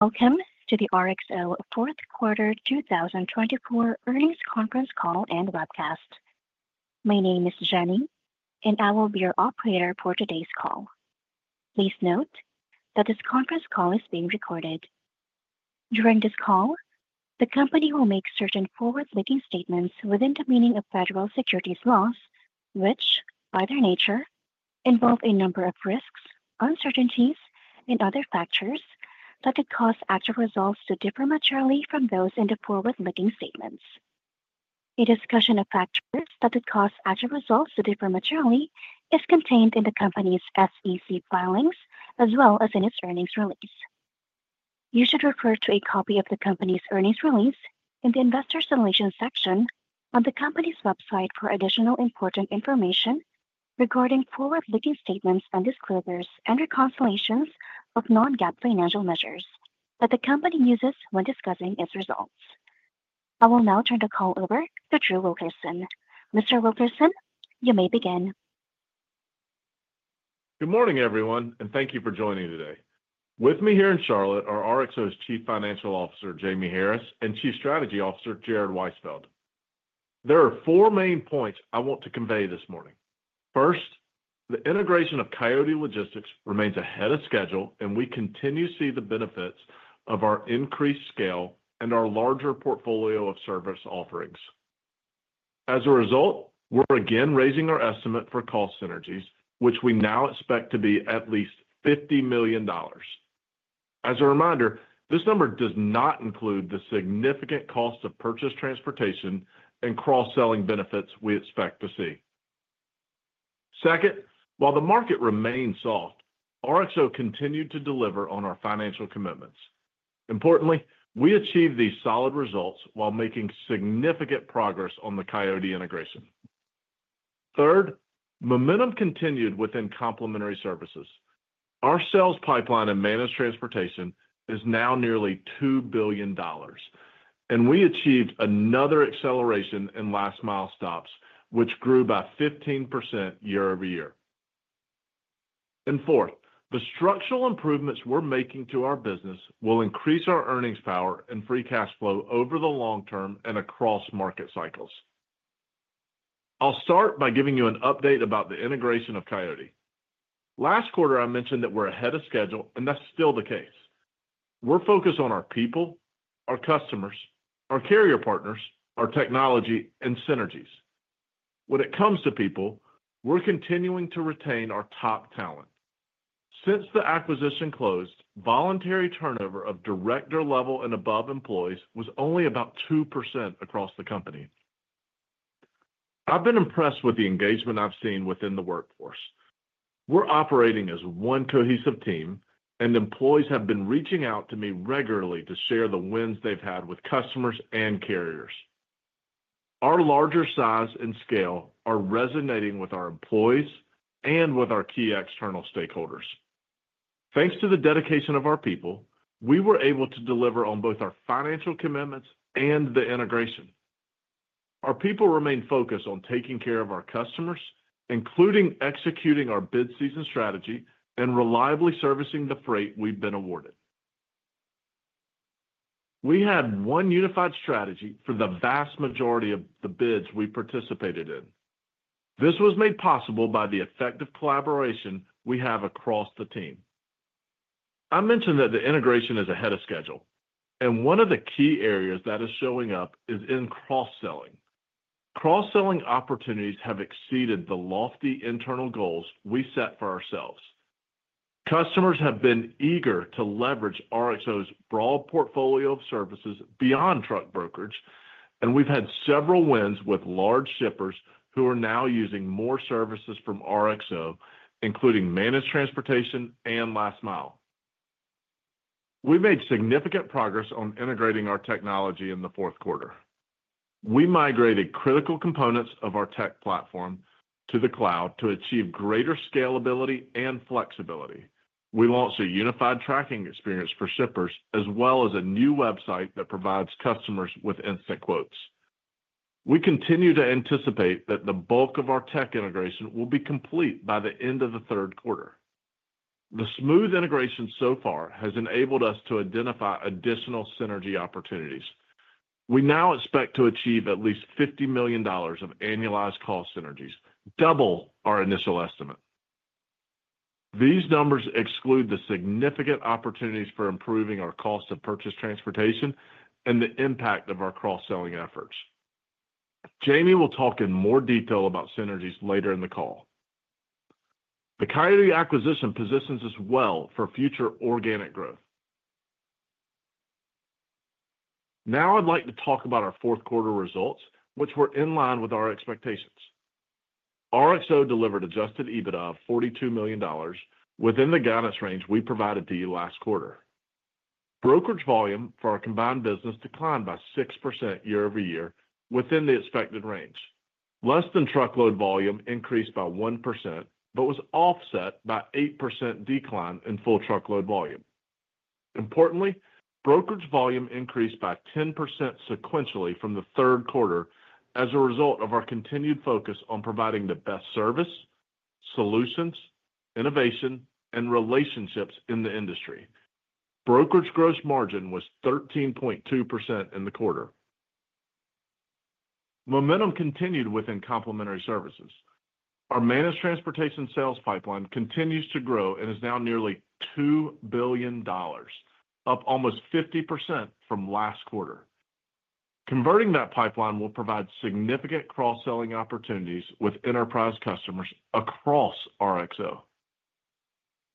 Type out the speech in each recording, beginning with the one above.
Welcome to the RXO Fourth Quarter 2024 earnings conference call and webcast. My name is Jenny, and I will be your operator for today's call. Please note that this conference call is being recorded. During this call, the company will make certain forward-looking statements within the meaning of federal securities laws, which, by their nature, involve a number of risks, uncertainties, and other factors that could cause actual results to differ materially from those in the forward-looking statements. A discussion of factors that could cause actual results to differ materially is contained in the company's SEC filings as well as in its earnings release. You should refer to a copy of the company's earnings release in the investor relations section on the company's website for additional important information regarding forward-looking statements and disclosures and reconciliations of non-GAAP financial measures that the company uses when discussing its results. I will now turn the call over to Drew Wilkerson. Mr. Wilkerson, you may begin. Good morning, everyone, and thank you for joining today. With me here in Charlotte are RXO's Chief Financial Officer, Jamie Harris, and Chief Strategy Officer, Jared Weisfeld. There are four main points I want to convey this morning. First, the integration of Coyote Logistics remains ahead of schedule, and we continue to see the benefits of our increased scale and our larger portfolio of service offerings. As a result, we're again raising our estimate for cost synergies, which we now expect to be at least $50 million. As a reminder, this number does not include the significant cost of purchased transportation and cross-selling benefits we expect to see. Second, while the market remained soft, RXO continued to deliver on our financial commitments. Importantly, we achieved these solid results while making significant progress on the Coyote integration. Third, momentum continued within Complementary Services. Our sales pipeline and Managed Transportation is now nearly $2 billion, and we achieved another acceleration in last-mile stops, which grew by 15% year-over-year. Fourth, the structural improvements we're making to our business will increase our earnings power and free cash flow over the long term and across market cycles. I'll start by giving you an update about the integration of Coyote. Last quarter, I mentioned that we're ahead of schedule, and that's still the case. We're focused on our people, our customers, our carrier partners, our technology, and synergies. When it comes to people, we're continuing to retain our top talent. Since the acquisition closed, voluntary turnover of director-level and above employees was only about 2% across the company. I've been impressed with the engagement I've seen within the workforce. We're operating as one cohesive team, and employees have been reaching out to me regularly to share the wins they've had with customers and carriers. Our larger size and scale are resonating with our employees and with our key external stakeholders. Thanks to the dedication of our people, we were able to deliver on both our financial commitments and the integration. Our people remain focused on taking care of our customers, including executing our bid season strategy and reliably servicing the freight we've been awarded. We had one unified strategy for the vast majority of the bids we participated in. This was made possible by the effective collaboration we have across the team. I mentioned that the integration is ahead of schedule, and one of the key areas that is showing up is in cross-selling. Cross-selling opportunities have exceeded the lofty internal goals we set for ourselves. Customers have been eager to leverage RXO's broad portfolio of services beyond truck brokerage, and we've had several wins with large shippers who are now using more services from RXO, including Managed Transportation and Last Mile. We've made significant progress on integrating our technology in the fourth quarter. We migrated critical components of our tech platform to the cloud to achieve greater scalability and flexibility. We launched a unified tracking experience for shippers, as well as a new website that provides customers with instant quotes. We continue to anticipate that the bulk of our tech integration will be complete by the end of the third quarter. The smooth integration so far has enabled us to identify additional synergy opportunities. We now expect to achieve at least $50 million of annualized cost synergies, double our initial estimate. These numbers exclude the significant opportunities for improving our cost of purchased transportation and the impact of our cross-selling efforts. Jamie will talk in more detail about synergies later in the call. The Coyote acquisition positions us well for future organic growth. Now I'd like to talk about our fourth quarter results, which were in line with our expectations. RXO delivered Adjusted EBITDA of $42 million within the guidance range we provided to you last quarter. Brokerage volume for our combined business declined by 6% year-over-year within the expected range. Less-than-truckload volume increased by 1%, but was offset by 8% decline in full-truckload volume. Importantly, brokerage volume increased by 10% sequentially from the third quarter as a result of our continued focus on providing the best service, solutions, innovation, and relationships in the industry. Brokerage gross margin was 13.2% in the quarter. Momentum continued within Complementary Services. Our Managed Transportation sales pipeline continues to grow and is now nearly $2 billion, up almost 50% from last quarter. Converting that pipeline will provide significant cross-selling opportunities with enterprise customers across RXO.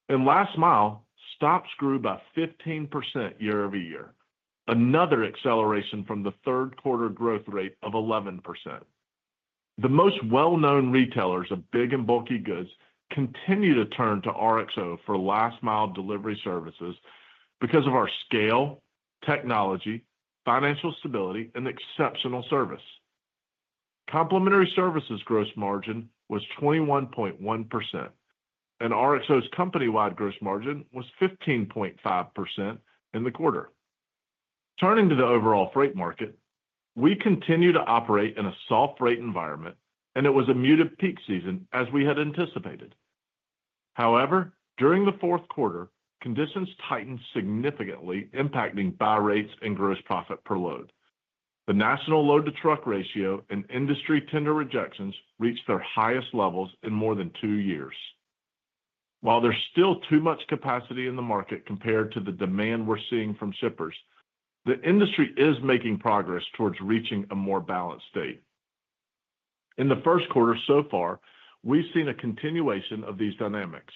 Last Mile, stops grew by 15% year over year, another acceleration from the third quarter growth rate of 11%. The most well-known retailers of big and bulky goods continue to turn to RXO for last-mile delivery services because of our scale, technology, financial stability, and exceptional service. Complementary Services gross margin was 21.1%, and RXO's company-wide gross margin was 15.5% in the quarter. Turning to the overall freight market, we continue to operate in a soft rate environment, and it was a muted peak season as we had anticipated. However, during the fourth quarter, conditions tightened significantly, impacting buy rates and gross profit per load. The national load-to-truck ratio and industry tender rejections reached their highest levels in more than two years. While there's still too much capacity in the market compared to the demand we're seeing from shippers, the industry is making progress towards reaching a more balanced state. In the first quarter so far, we've seen a continuation of these dynamics.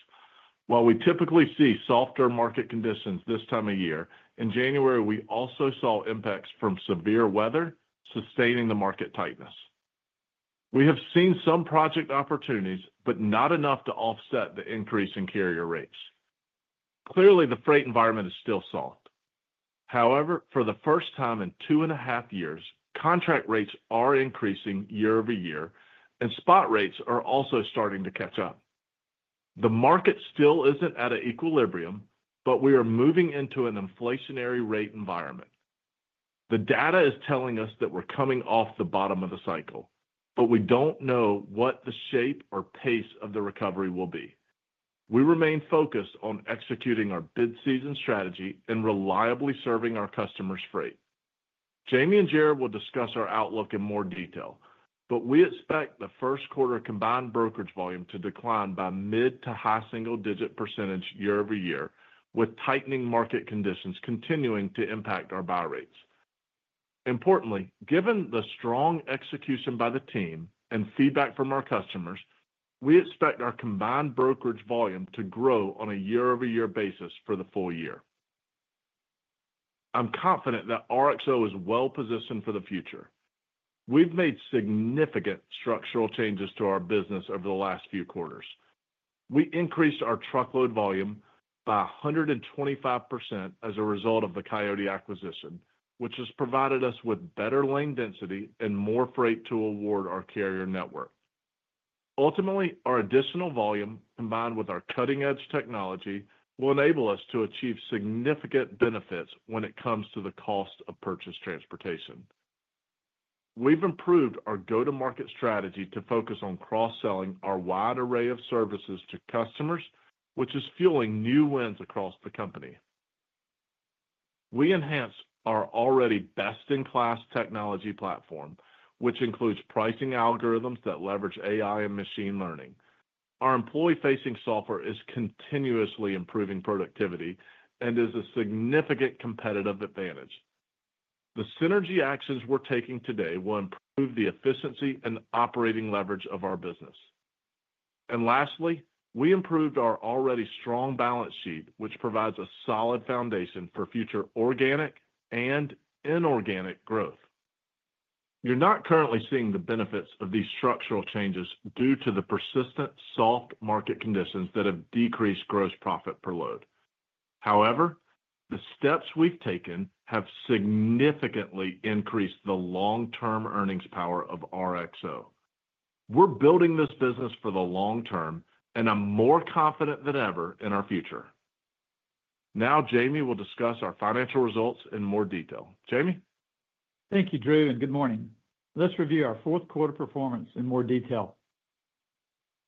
While we typically see softer market conditions this time of year, in January, we also saw impacts from severe weather sustaining the market tightness. We have seen some project opportunities, but not enough to offset the increase in carrier rates. Clearly, the freight environment is still soft. However, for the first time in two and a half years, contract rates are increasing year-over-year, and spot rates are also starting to catch up. The market still isn't at an equilibrium, but we are moving into an inflationary rate environment. The data is telling us that we're coming off the bottom of the cycle, but we don't know what the shape or pace of the recovery will be. We remain focused on executing our bid season strategy and reliably serving our customers' freight. Jamie and Jared will discuss our outlook in more detail, but we expect the first quarter combined brokerage volume to decline by mid- to high-single-digit percentage year-over-year, with tightening market conditions continuing to impact our buy rates. Importantly, given the strong execution by the team and feedback from our customers, we expect our combined brokerage volume to grow on a year-over-year basis for the full year. I'm confident that RXO is well-positioned for the future. We've made significant structural changes to our business over the last few quarters. We increased our truckload volume by 125% as a result of the Coyote acquisition, which has provided us with better lane density and more freight to award our carrier network. Ultimately, our additional volume, combined with our cutting-edge technology, will enable us to achieve significant benefits when it comes to the cost of purchased transportation. We've improved our go-to-market strategy to focus on cross-selling our wide array of services to customers, which is fueling new wins across the company. We enhanced our already best-in-class technology platform, which includes pricing algorithms that leverage AI and machine learning. Our employee-facing software is continuously improving productivity and is a significant competitive advantage. The synergy actions we're taking today will improve the efficiency and operating leverage of our business. And lastly, we improved our already strong balance sheet, which provides a solid foundation for future organic and inorganic growth. You're not currently seeing the benefits of these structural changes due to the persistent soft market conditions that have decreased gross profit per load. However, the steps we've taken have significantly increased the long-term earnings power of RXO. We're building this business for the long term and are more confident than ever in our future. Now, Jamie will discuss our financial results in more detail. Jamie? Thank you, Drew, and good morning. Let's review our fourth quarter performance in more detail.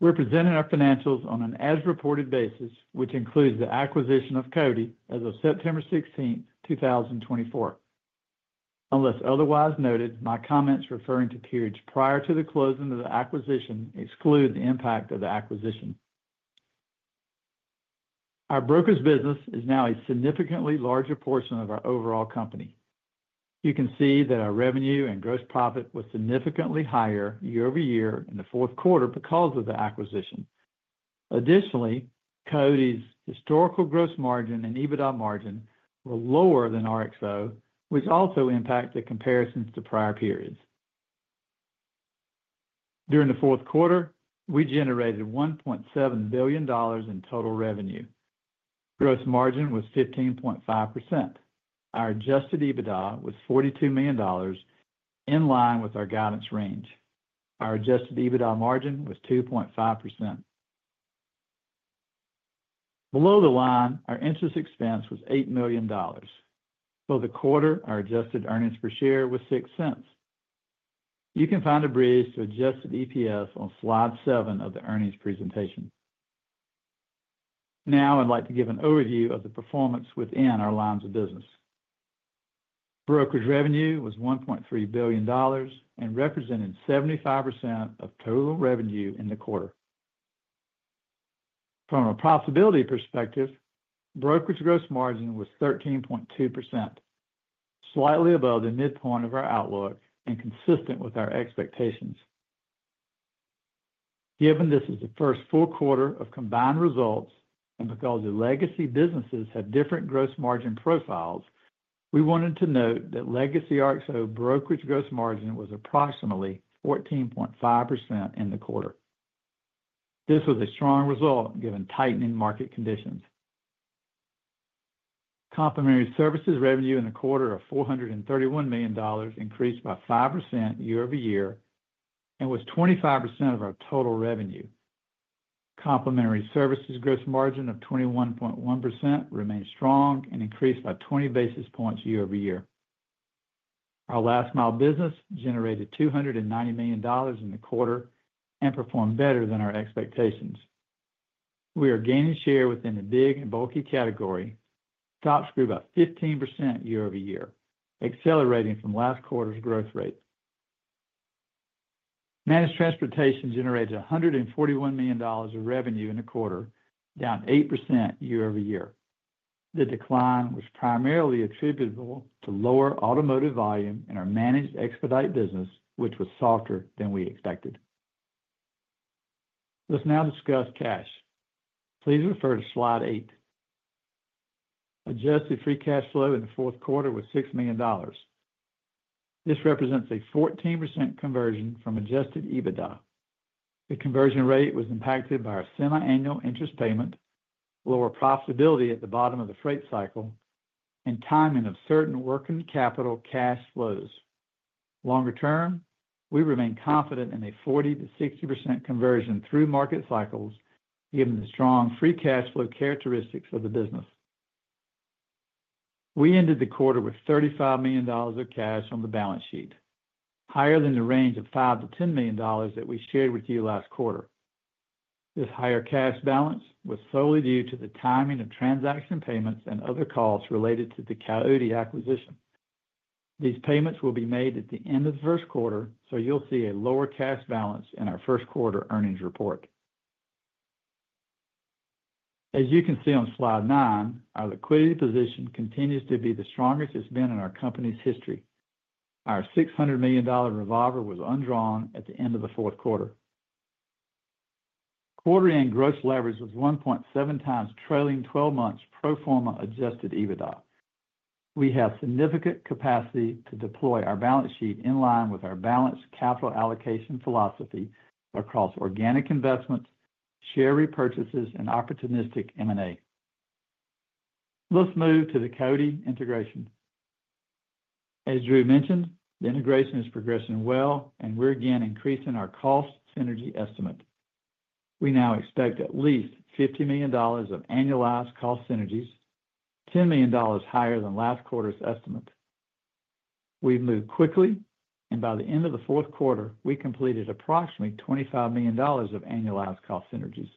We're presenting our financials on an as-reported basis, which includes the acquisition of Coyote as of September 16th, 2024. Unless otherwise noted, my comments referring to periods prior to the closing of the acquisition exclude the impact of the acquisition. Our brokerage business is now a significantly larger portion of our overall company. You can see that our revenue and gross profit were significantly higher year-over-year in the fourth quarter because of the acquisition. Additionally, Coyote's historical gross margin and EBITDA margin were lower than RXO, which also impacted comparisons to prior periods. During the fourth quarter, we generated $1.7 billion in total revenue. Gross margin was 15.5%. Our Adjusted EBITDA was $42 million, in line with our guidance range. Our Adjusted EBITDA margin was 2.5%. Below the line, our interest expense was $8 million. For the quarter, our adjusted earnings per share was $0.06. You can find a bridge to adjusted EPS on slide seven of the earnings presentation. Now, I'd like to give an overview of the performance within our lines of business. Brokerage revenue was $1.3 billion and represented 75% of total revenue in the quarter. From a profitability perspective, brokerage gross margin was 13.2%, slightly above the midpoint of our outlook and consistent with our expectations. Given this is the first full quarter of combined results and because the legacy businesses have different gross margin profiles, we wanted to note that legacy RXO brokerage gross margin was approximately 14.5% in the quarter. This was a strong result given tightening market conditions. Complementary Services revenue in the quarter of $431 million increased by 5% year-over-year and was 25% of our total revenue. Complementary Services gross margin of 21.1% remained strong and increased by 20 basis points year over year. Our last-mile business generated $290 million in the quarter and performed better than our expectations. We are gaining share within the big and bulky category. Stops grew by 15% year-over-year, accelerating from last quarter's growth rate. Managed Transportation generated $141 million of revenue in the quarter, down 8% year-over-year. The decline was primarily attributable to lower automotive volume in our Managed Expedite business, which was softer than we expected. Let's now discuss cash. Please refer to slide eight. Adjusted Free Cash Flow in the fourth quarter was $6 million. This represents a 14% conversion from Adjusted EBITDA. The conversion rate was impacted by our semi-annual interest payment, lower profitability at the bottom of the freight cycle, and timing of certain working capital cash flows. Longer term, we remain confident in a 40%-60% conversion through market cycles given the strong free cash flow characteristics of the business. We ended the quarter with $35 million of cash on the balance sheet, higher than the range of $5 million-$10 million that we shared with you last quarter. This higher cash balance was solely due to the timing of transaction payments and other costs related to the Coyote acquisition. These payments will be made at the end of the first quarter, so you'll see a lower cash balance in our first quarter earnings report. As you can see on slide nine, our liquidity position continues to be the strongest it's been in our company's history. Our $600 million revolver was undrawn at the end of the fourth quarter. Quarter-end gross leverage was 1.7 times trailing 12 months pro forma Adjusted EBITDA. We have significant capacity to deploy our balance sheet in line with our balanced capital allocation philosophy across organic investments, share repurchases, and opportunistic M&A. Let's move to the Coyote integration. As Drew mentioned, the integration is progressing well, and we're again increasing our cost synergy estimate. We now expect at least $50 million of annualized cost synergies, $10 million higher than last quarter's estimate. We've moved quickly, and by the end of the fourth quarter, we completed approximately $25 million of annualized cost synergies.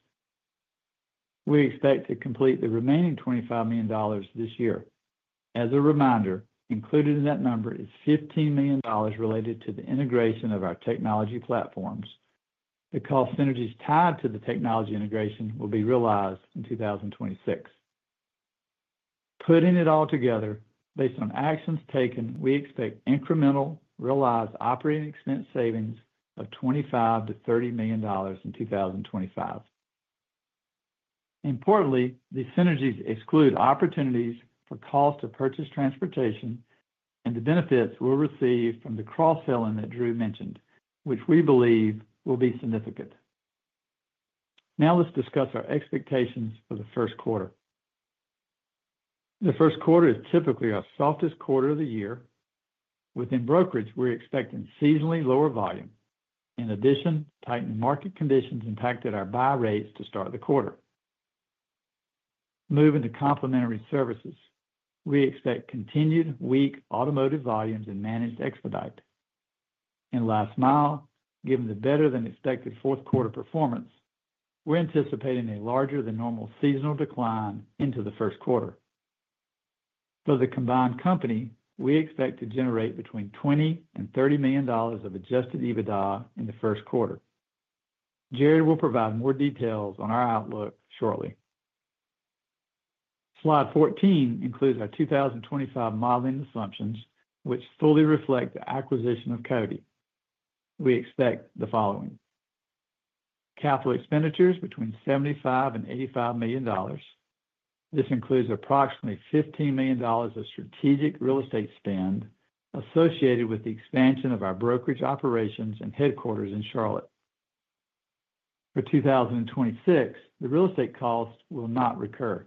We expect to complete the remaining $25 million this year. As a reminder, included in that number is $15 million related to the integration of our technology platforms. The cost synergies tied to the technology integration will be realized in 2026. Putting it all together, based on actions taken, we expect incremental realized operating expense savings of $25 million-$30 million in 2025. Importantly, the synergies exclude opportunities for cost of purchased transportation, and the benefits we'll receive from the cross-selling that Drew mentioned, which we believe will be significant. Now, let's discuss our expectations for the first quarter. The first quarter is typically our softest quarter of the year. Within brokerage, we're expecting seasonally lower volume. In addition, tightened market conditions impacted our buy rates to start the quarter. Moving to Complementary Services, we expect continued weak automotive volumes and Managed Expedite. In Last Mile, given the better-than-expected fourth quarter performance, we're anticipating a larger-than-normal seasonal decline into the first quarter. For the combined company, we expect to generate between $20 million and $30 million of Adjusted EBITDA in the first quarter. Jared will provide more details on our outlook shortly. Slide 14 includes our 2025 modeling assumptions, which fully reflect the acquisition of Coyote. We expect the following: capital expenditures between $75 million and $85 million. This includes approximately $15 million of strategic real estate spend associated with the expansion of our brokerage operations and headquarters in Charlotte. For 2026, the real estate cost will not recur.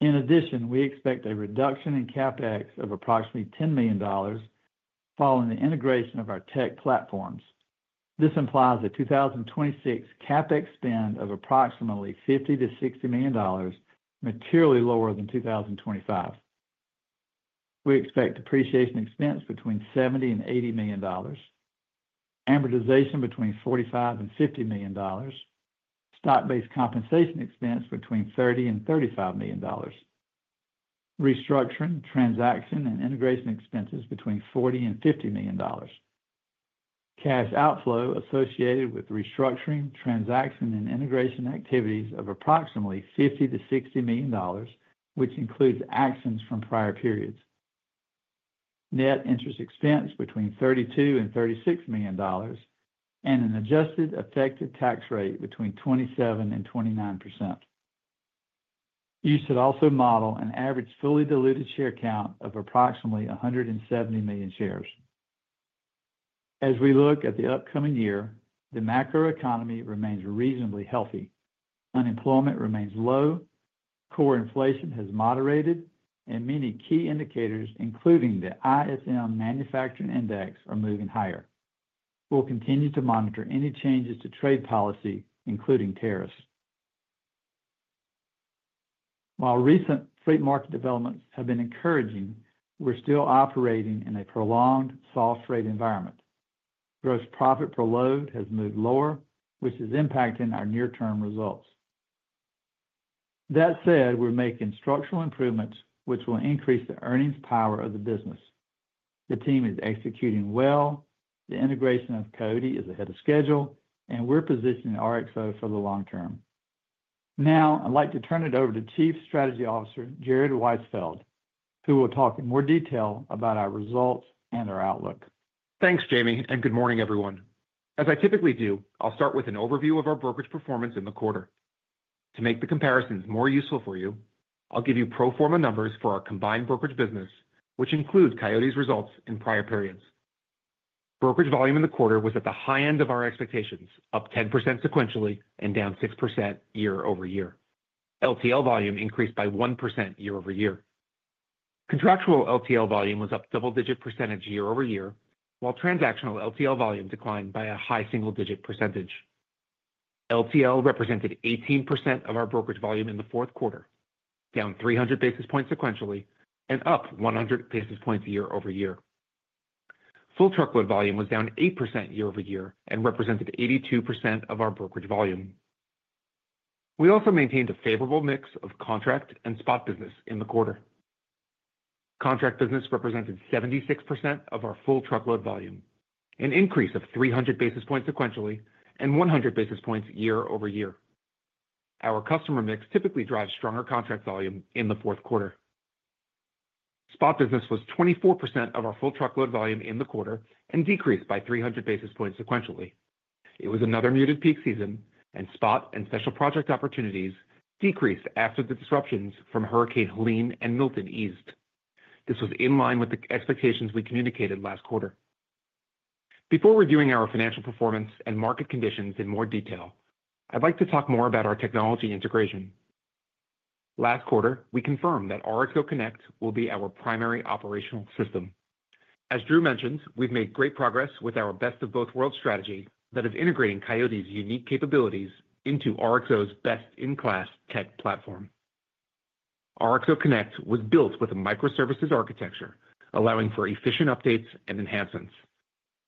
In addition, we expect a reduction in CapEx of approximately $10 million following the integration of our tech platforms. This implies a 2026 CapEx spend of approximately $50 million to $60 million, materially lower than 2025. We expect depreciation expense between $70 million and $80 million, amortization between $45 million and $50 million, stock-based compensation expense between $30 million and $35 million, restructuring, transaction, and integration expenses between $40 million and $50 million. Cash outflow associated with restructuring, transaction, and integration activities of approximately $50 million to $60 million, which includes actions from prior periods. Net interest expense between $32 million and $36 million, and an adjusted effective tax rate between 27% and 29%. You should also model an average fully diluted share count of approximately 170 million shares. As we look at the upcoming year, the macroeconomy remains reasonably healthy. Unemployment remains low, core inflation has moderated, and many key indicators, including the ISM Manufacturing Index, are moving higher. We'll continue to monitor any changes to trade policy, including tariffs. While recent fleet market developments have been encouraging, we're still operating in a prolonged soft rate environment. Gross profit per load has moved lower, which is impacting our near-term results. That said, we're making structural improvements, which will increase the earnings power of the business. The team is executing well. The integration of Coyote is ahead of schedule, and we're positioning RXO for the long term. Now, I'd like to turn it over to Chief Strategy Officer Jared Weisfeld, who will talk in more detail about our results and our outlook. Thanks, Jamie, and good morning, everyone. As I typically do, I'll start with an overview of our brokerage performance in the quarter. To make the comparisons more useful for you, I'll give you pro forma numbers for our combined brokerage business, which include Coyote's results in prior periods. Brokerage volume in the quarter was at the high end of our expectations, up 10% sequentially and down 6% year-over-year. LTL volume increased by 1% year-over-year. Contractual LTL volume was up double-digit percentage year-over-year, while transactional LTL volume declined by a high single-digit percentage. LTL represented 18% of our brokerage volume in the fourth quarter, down 300 basis points sequentially and up 100 basis points year-over-year. Full truckload volume was down 8% year-over-year and represented 82% of our brokerage volume. We also maintained a favorable mix of contract and spot business in the quarter. Contract business represented 76% of our full truckload volume, an increase of 300 basis points sequentially and 100 basis points year-over-year. Our customer mix typically drives stronger contract volume in the fourth quarter. Spot business was 24% of our full truckload volume in the quarter and decreased by 300 basis points sequentially. It was another muted peak season, and spot and special project opportunities decreased after the disruptions from Hurricane Helene and Milton eased. This was in line with the expectations we communicated last quarter. Before reviewing our financial performance and market conditions in more detail, I'd like to talk more about our technology integration. Last quarter, we confirmed that RXO Connect will be our primary operational system. As Drew mentioned, we've made great progress with our best-of-both-worlds strategy that is integrating Coyote's unique capabilities into RXO's best-in-class tech platform. RXO Connect was built with a microservices architecture, allowing for efficient updates and enhancements.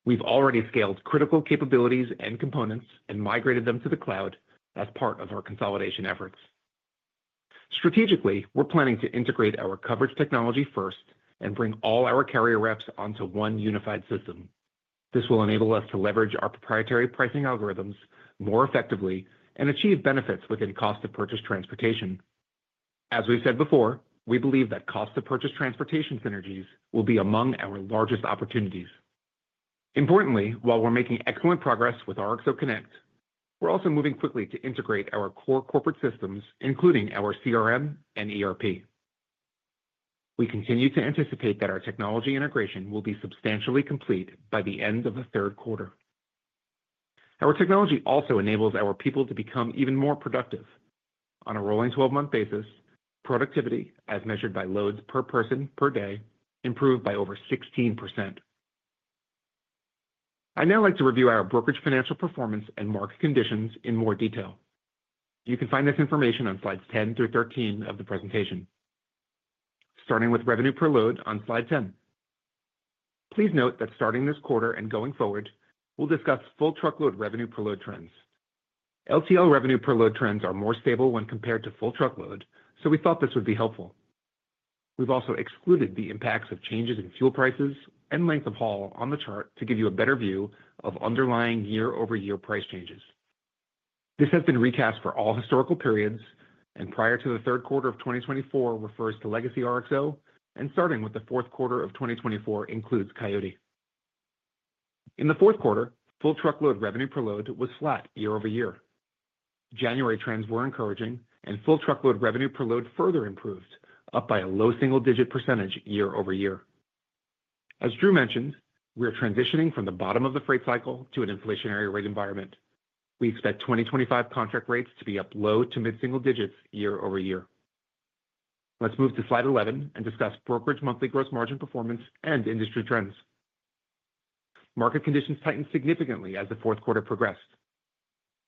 We've already scaled critical capabilities and components and migrated them to the cloud as part of our consolidation efforts. Strategically, we're planning to integrate our coverage technology first and bring all our carrier reps onto one unified system. This will enable us to leverage our proprietary pricing algorithms more effectively and achieve benefits within cost of purchased transportation. As we've said before, we believe that cost of purchased transportation synergies will be among our largest opportunities. Importantly, while we're making excellent progress with RXO Connect, we're also moving quickly to integrate our core corporate systems, including our CRM and ERP. We continue to anticipate that our technology integration will be substantially complete by the end of the third quarter. Our technology also enables our people to become even more productive. On a rolling 12-month basis, productivity, as measured by loads per person per day, improved by over 16%. I'd now like to review our brokerage financial performance and market conditions in more detail. You can find this information on slides 10 through 13 of the presentation, starting with revenue per load on slide 10. Please note that starting this quarter and going forward, we'll discuss full truckload revenue per load trends. LTL revenue per load trends are more stable when compared to full truckload, so we thought this would be helpful. We've also excluded the impacts of changes in fuel prices and length of haul on the chart to give you a better view of underlying year-over-year price changes. This has been recast for all historical periods, and prior to the third quarter of 2024 refers to legacy RXO, and starting with the fourth quarter of 2024 includes Coyote. In the fourth quarter, full truckload revenue per load was flat year over year. January trends were encouraging, and full truckload revenue per load further improved, up by a low single-digit percentage year-over-year. As Drew mentioned, we're transitioning from the bottom of the freight cycle to an inflationary rate environment. We expect 2025 contract rates to be up low- to mid-single digits year-over-year. Let's move to slide 11 and discuss brokerage monthly gross margin performance and industry trends. Market conditions tightened significantly as the fourth quarter progressed.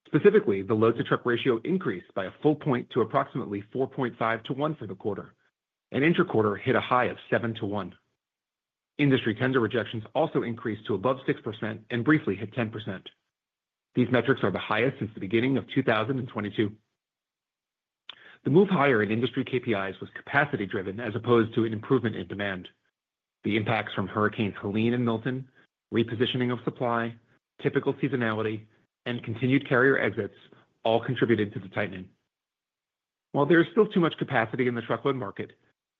Specifically, the load-to-truck ratio increased by a full point to approximately 4.5 to 1 for the quarter, and intra-quarter hit a high of 7 to 1. Industry tender rejections also increased to above 6% and briefly hit 10%. These metrics are the highest since the beginning of 2022. The move higher in industry KPIs was capacity-driven as opposed to an improvement in demand. The impacts from Hurricanes Helene and Milton, repositioning of supply, typical seasonality, and continued carrier exits all contributed to the tightening. While there is still too much capacity in the truckload market,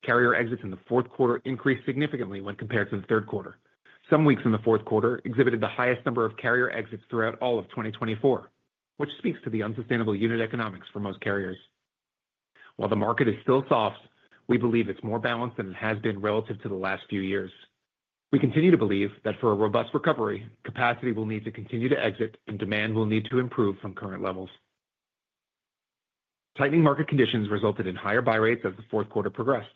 carrier exits in the fourth quarter increased significantly when compared to the third quarter. Some weeks in the fourth quarter exhibited the highest number of carrier exits throughout all of 2024, which speaks to the unsustainable unit economics for most carriers. While the market is still soft, we believe it's more balanced than it has been relative to the last few years. We continue to believe that for a robust recovery, capacity will need to continue to exit, and demand will need to improve from current levels. Tightening market conditions resulted in higher buy rates as the fourth quarter progressed.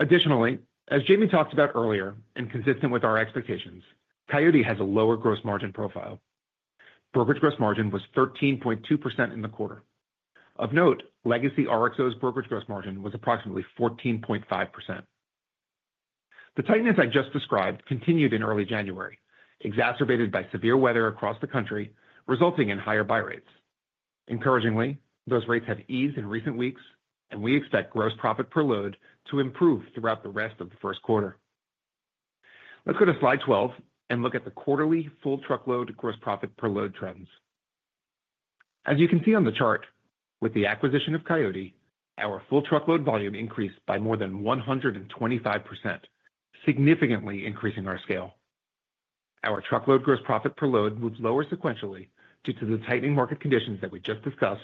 Additionally, as Jamie talked about earlier, and consistent with our expectations, Coyote has a lower gross margin profile. Brokerage gross margin was 13.2% in the quarter. Of note, legacy RXO's brokerage gross margin was approximately 14.5%. The tightness I just described continued in early January, exacerbated by severe weather across the country, resulting in higher buy rates. Encouragingly, those rates have eased in recent weeks, and we expect gross profit per load to improve throughout the rest of the first quarter. Let's go to slide 12 and look at the quarterly full truckload gross profit per load trends. As you can see on the chart, with the acquisition of Coyote, our full truckload volume increased by more than 125%, significantly increasing our scale. Our truckload gross profit per load moved lower sequentially due to the tightening market conditions that we just discussed,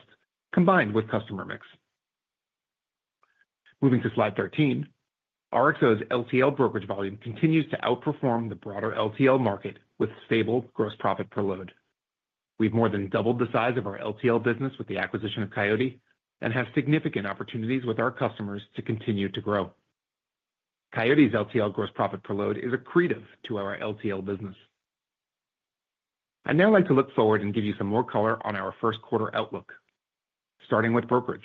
combined with customer mix. Moving to slide 13, RXO's LTL brokerage volume continues to outperform the broader LTL market with stable gross profit per load. We've more than doubled the size of our LTL business with the acquisition of Coyote and have significant opportunities with our customers to continue to grow. Coyote's LTL gross profit per load is a credit to our LTL business. I'd now like to look forward and give you some more color on our first quarter outlook, starting with brokerage.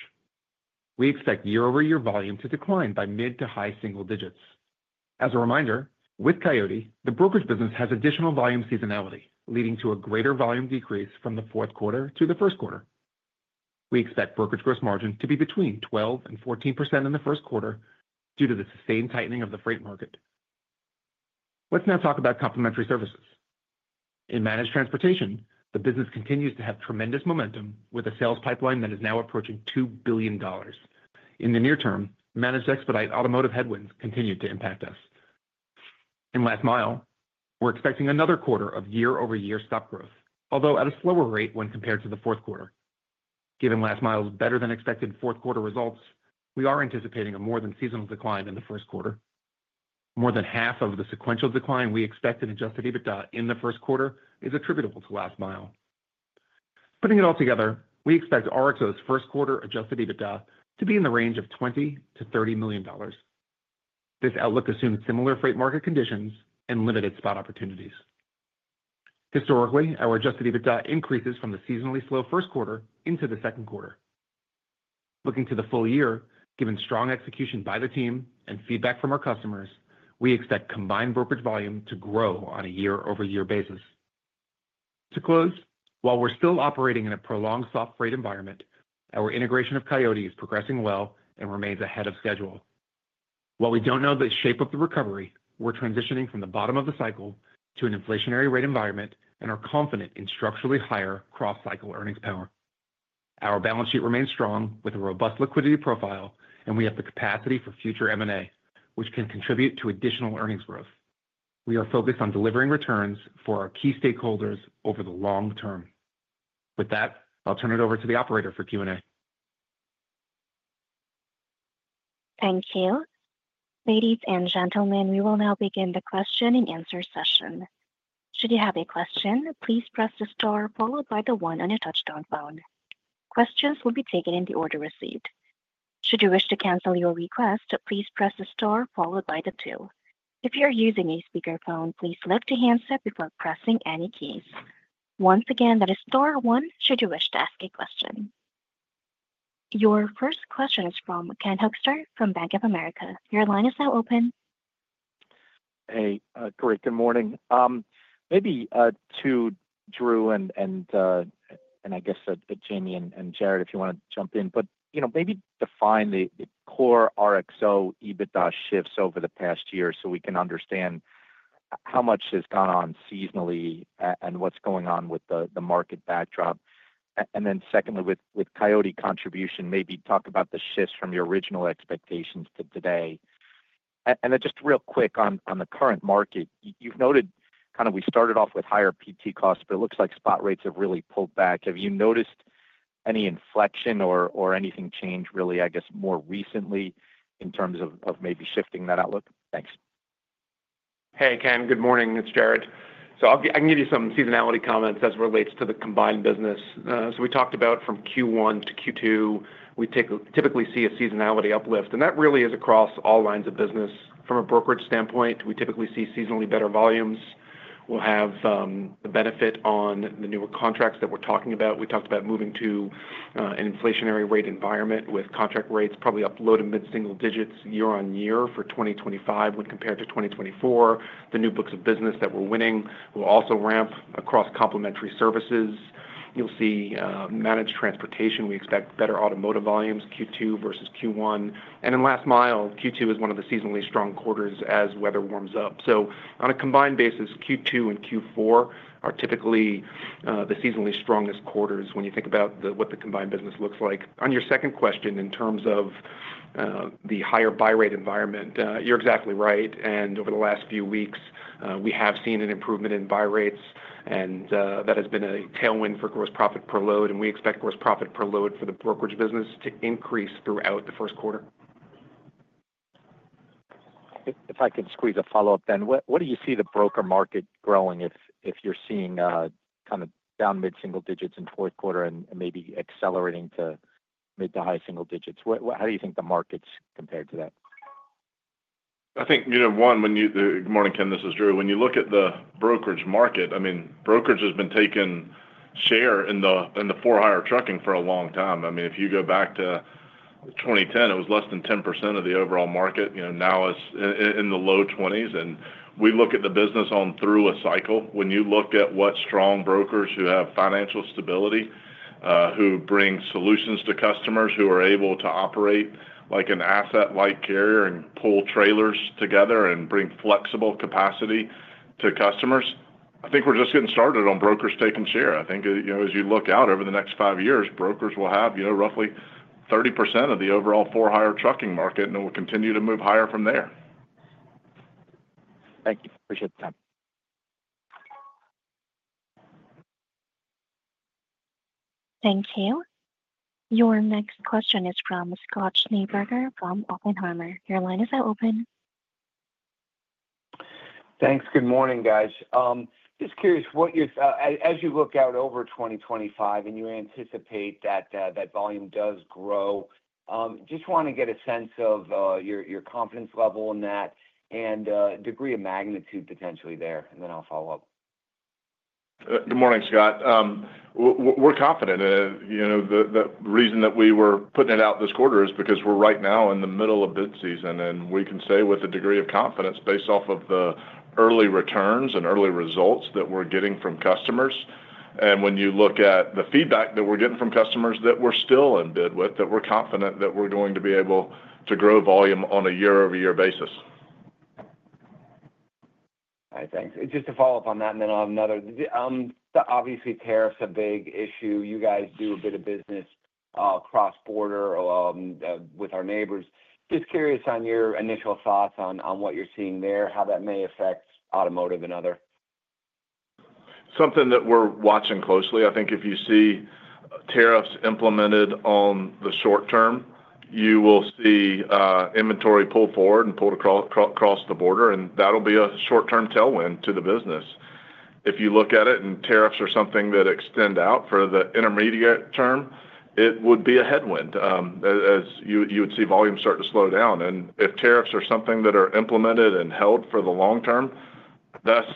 We expect year-over-year volume to decline by mid- to high-single digits. As a reminder, with Coyote, the brokerage business has additional volume seasonality, leading to a greater volume decrease from the fourth quarter to the first quarter. We expect brokerage gross margin to be between 12% and 14% in the first quarter due to the sustained tightening of the freight market. Let's now talk about Complementary Services. In Managed Transportation, the business continues to have tremendous momentum with a sales pipeline that is now approaching $2 billion. In the near term, Managed Expedite automotive headwinds continue to impact us. In Last Mile, we're expecting another quarter of year-over-year stock growth, although at a slower rate when compared to the fourth quarter. Given Last Mile's better-than-expected fourth quarter results, we are anticipating a more-than-seasonal decline in the first quarter. More than half of the sequential decline we expected in Adjusted EBITDA in the first quarter is attributable to Last Mile. Putting it all together, we expect RXO's first quarter Adjusted EBITDA to be in the range of $20 million-$30 million. This outlook assumes similar freight market conditions and limited spot opportunities. Historically, our Adjusted EBITDA increases from the seasonally slow first quarter into the second quarter. Looking to the full year, given strong execution by the team and feedback from our customers, we expect combined brokerage volume to grow on a year-over-year basis. To close, while we're still operating in a prolonged soft freight environment, our integration of Coyote is progressing well and remains ahead of schedule. While we don't know the shape of the recovery, we're transitioning from the bottom of the cycle to an inflationary rate environment and are confident in structurally higher cross-cycle earnings power. Our balance sheet remains strong with a robust liquidity profile, and we have the capacity for future M&A, which can contribute to additional earnings growth. We are focused on delivering returns for our key stakeholders over the long term. With that, I'll turn it over to the operator for Q&A. Thank you. Ladies and gentlemen, we will now begin the question-and-answer session. Should you have a question, please press the star followed by the one on your touch-tone phone. Questions will be taken in the order received. Should you wish to cancel your request, please press the star followed by the two. If you are using a speakerphone, please lift a handset before pressing any keys. Once again, that is star one should you wish to ask a question. Your first question is from Ken Hoexter from Bank of America. Your line is now open. Hey, great. Good morning. Maybe to Drew and I guess Jamie and Jared, if you want to jump in, but maybe define the core RXO EBITDA shifts over the past year so we can understand how much has gone on seasonally and what's going on with the market backdrop. And then secondly, with Coyote contribution, maybe talk about the shifts from your original expectations to today. And then just real quick on the current market, you've noted kind of we started off with higher PT costs, but it looks like spot rates have really pulled back. Have you noticed any inflection or anything change really, I guess, more recently in terms of maybe shifting that outlook? Thanks. Hey, Ken. Good morning. It's Jared. I can give you some seasonality comments as it relates to the combined business. We talked about from Q1 to Q2, we typically see a seasonality uplift, and that really is across all lines of business. From a brokerage standpoint, we typically see seasonally better volumes. We'll have the benefit on the newer contracts that we're talking about. We talked about moving to an inflationary rate environment with contract rates probably up low to mid-single digits year on year for 2025 when compared to 2024. The new books of business that we're winning will also ramp across Complementary Services. You'll see Managed Transportation. We expect better automotive volumes Q2 versus Q1. In Last Mile, Q2 is one of the seasonally strong quarters as weather warms up. On a combined basis, Q2 and Q4 are typically the seasonally strongest quarters when you think about what the combined business looks like. On your second question in terms of the higher buy rate environment, you're exactly right. Over the last few weeks, we have seen an improvement in buy rates, and that has been a tailwind for gross profit per load. We expect gross profit per load for the brokerage business to increase throughout the first quarter. If I could squeeze a follow-up, then what do you see the broker market growing if you're seeing kind of down mid-single digits in fourth quarter and maybe accelerating to mid to high single digits? How do you think the market's compared to that? I think one, when you, good morning, Ken. This is Drew. When you look at the brokerage market, I mean, brokerage has been taking share in the for-hire trucking for a long time. I mean, if you go back to 2010, it was less than 10% of the overall market. Now it's in the low 20s. And we look at the business on through a cycle. When you look at what strong brokers who have financial stability, who bring solutions to customers, who are able to operate like an asset-like carrier and pull trailers together and bring flexible capacity to customers, I think we're just getting started on brokers taking share. I think as you look out over the next five years, brokers will have roughly 30% of the overall for-hire trucking market, and it will continue to move higher from there. Thank you. Appreciate the time. Thank you. Your next question is from Scott Schneeberger from Oppenheimer. Your line is now open. Thanks. Good morning, guys. Just curious what you, as you look out over 2025 and you anticipate that that volume does grow, just want to get a sense of your confidence level in that and degree of magnitude potentially there, and then I'll follow up. Good morning, Scott. We're confident. The reason that we were putting it out this quarter is because we're right now in the middle of bid season, and we can say with a degree of confidence based off of the early returns and early results that we're getting from customers, and when you look at the feedback that we're getting from customers that we're still in bid with, that we're confident that we're going to be able to grow volume on a year-over-year basis. All right. Thanks. Just to follow up on that, and then I'll have another. Obviously, tariffs are a big issue. You guys do a bit of business cross-border with our neighbors. Just curious on your initial thoughts on what you're seeing there, how that may affect automotive and other? Something that we're watching closely. I think if you see tariffs implemented on the short term, you will see inventory pull forward and pull across the border, and that'll be a short-term tailwind to the business. If you look at it and tariffs are something that extend out for the intermediate term, it would be a headwind as you would see volume start to slow down, and if tariffs are something that are implemented and held for the long term,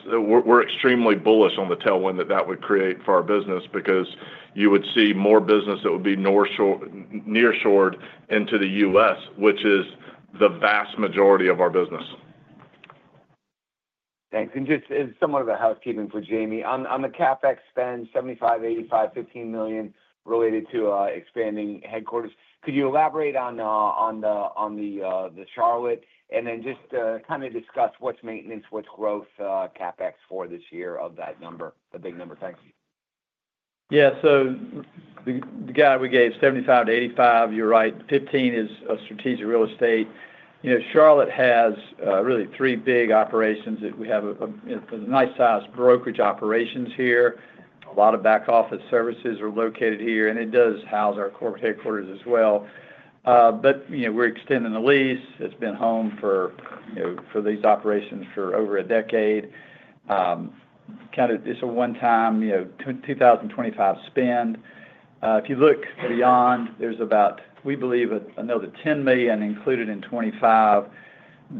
we're extremely bullish on the tailwind that that would create for our business because you would see more business that would be nearshored into the U.S., which is the vast majority of our business. Thanks. And just somewhat of a housekeeping for Jamie. On the CapEx spend, $75 million-$85 million, $15 million related to expanding headquarters. Could you elaborate on the Charlotte and then just kind of discuss what's maintenance, what's growth CapEx for this year of that number, the big number? Thanks. Yeah. So the guy we gave $75 million-$85 million, you're right. $15 million is a strategic real estate. Charlotte has really three big operations. We have a nice-sized brokerage operations here. A lot of back-office services are located here, and it does house our corporate headquarters as well. But we're extending the lease. It's been home for these operations for over a decade. Kind of it's a one-time 2025 spend. If you look beyond, there's about, we believe, another $10 million included in 2025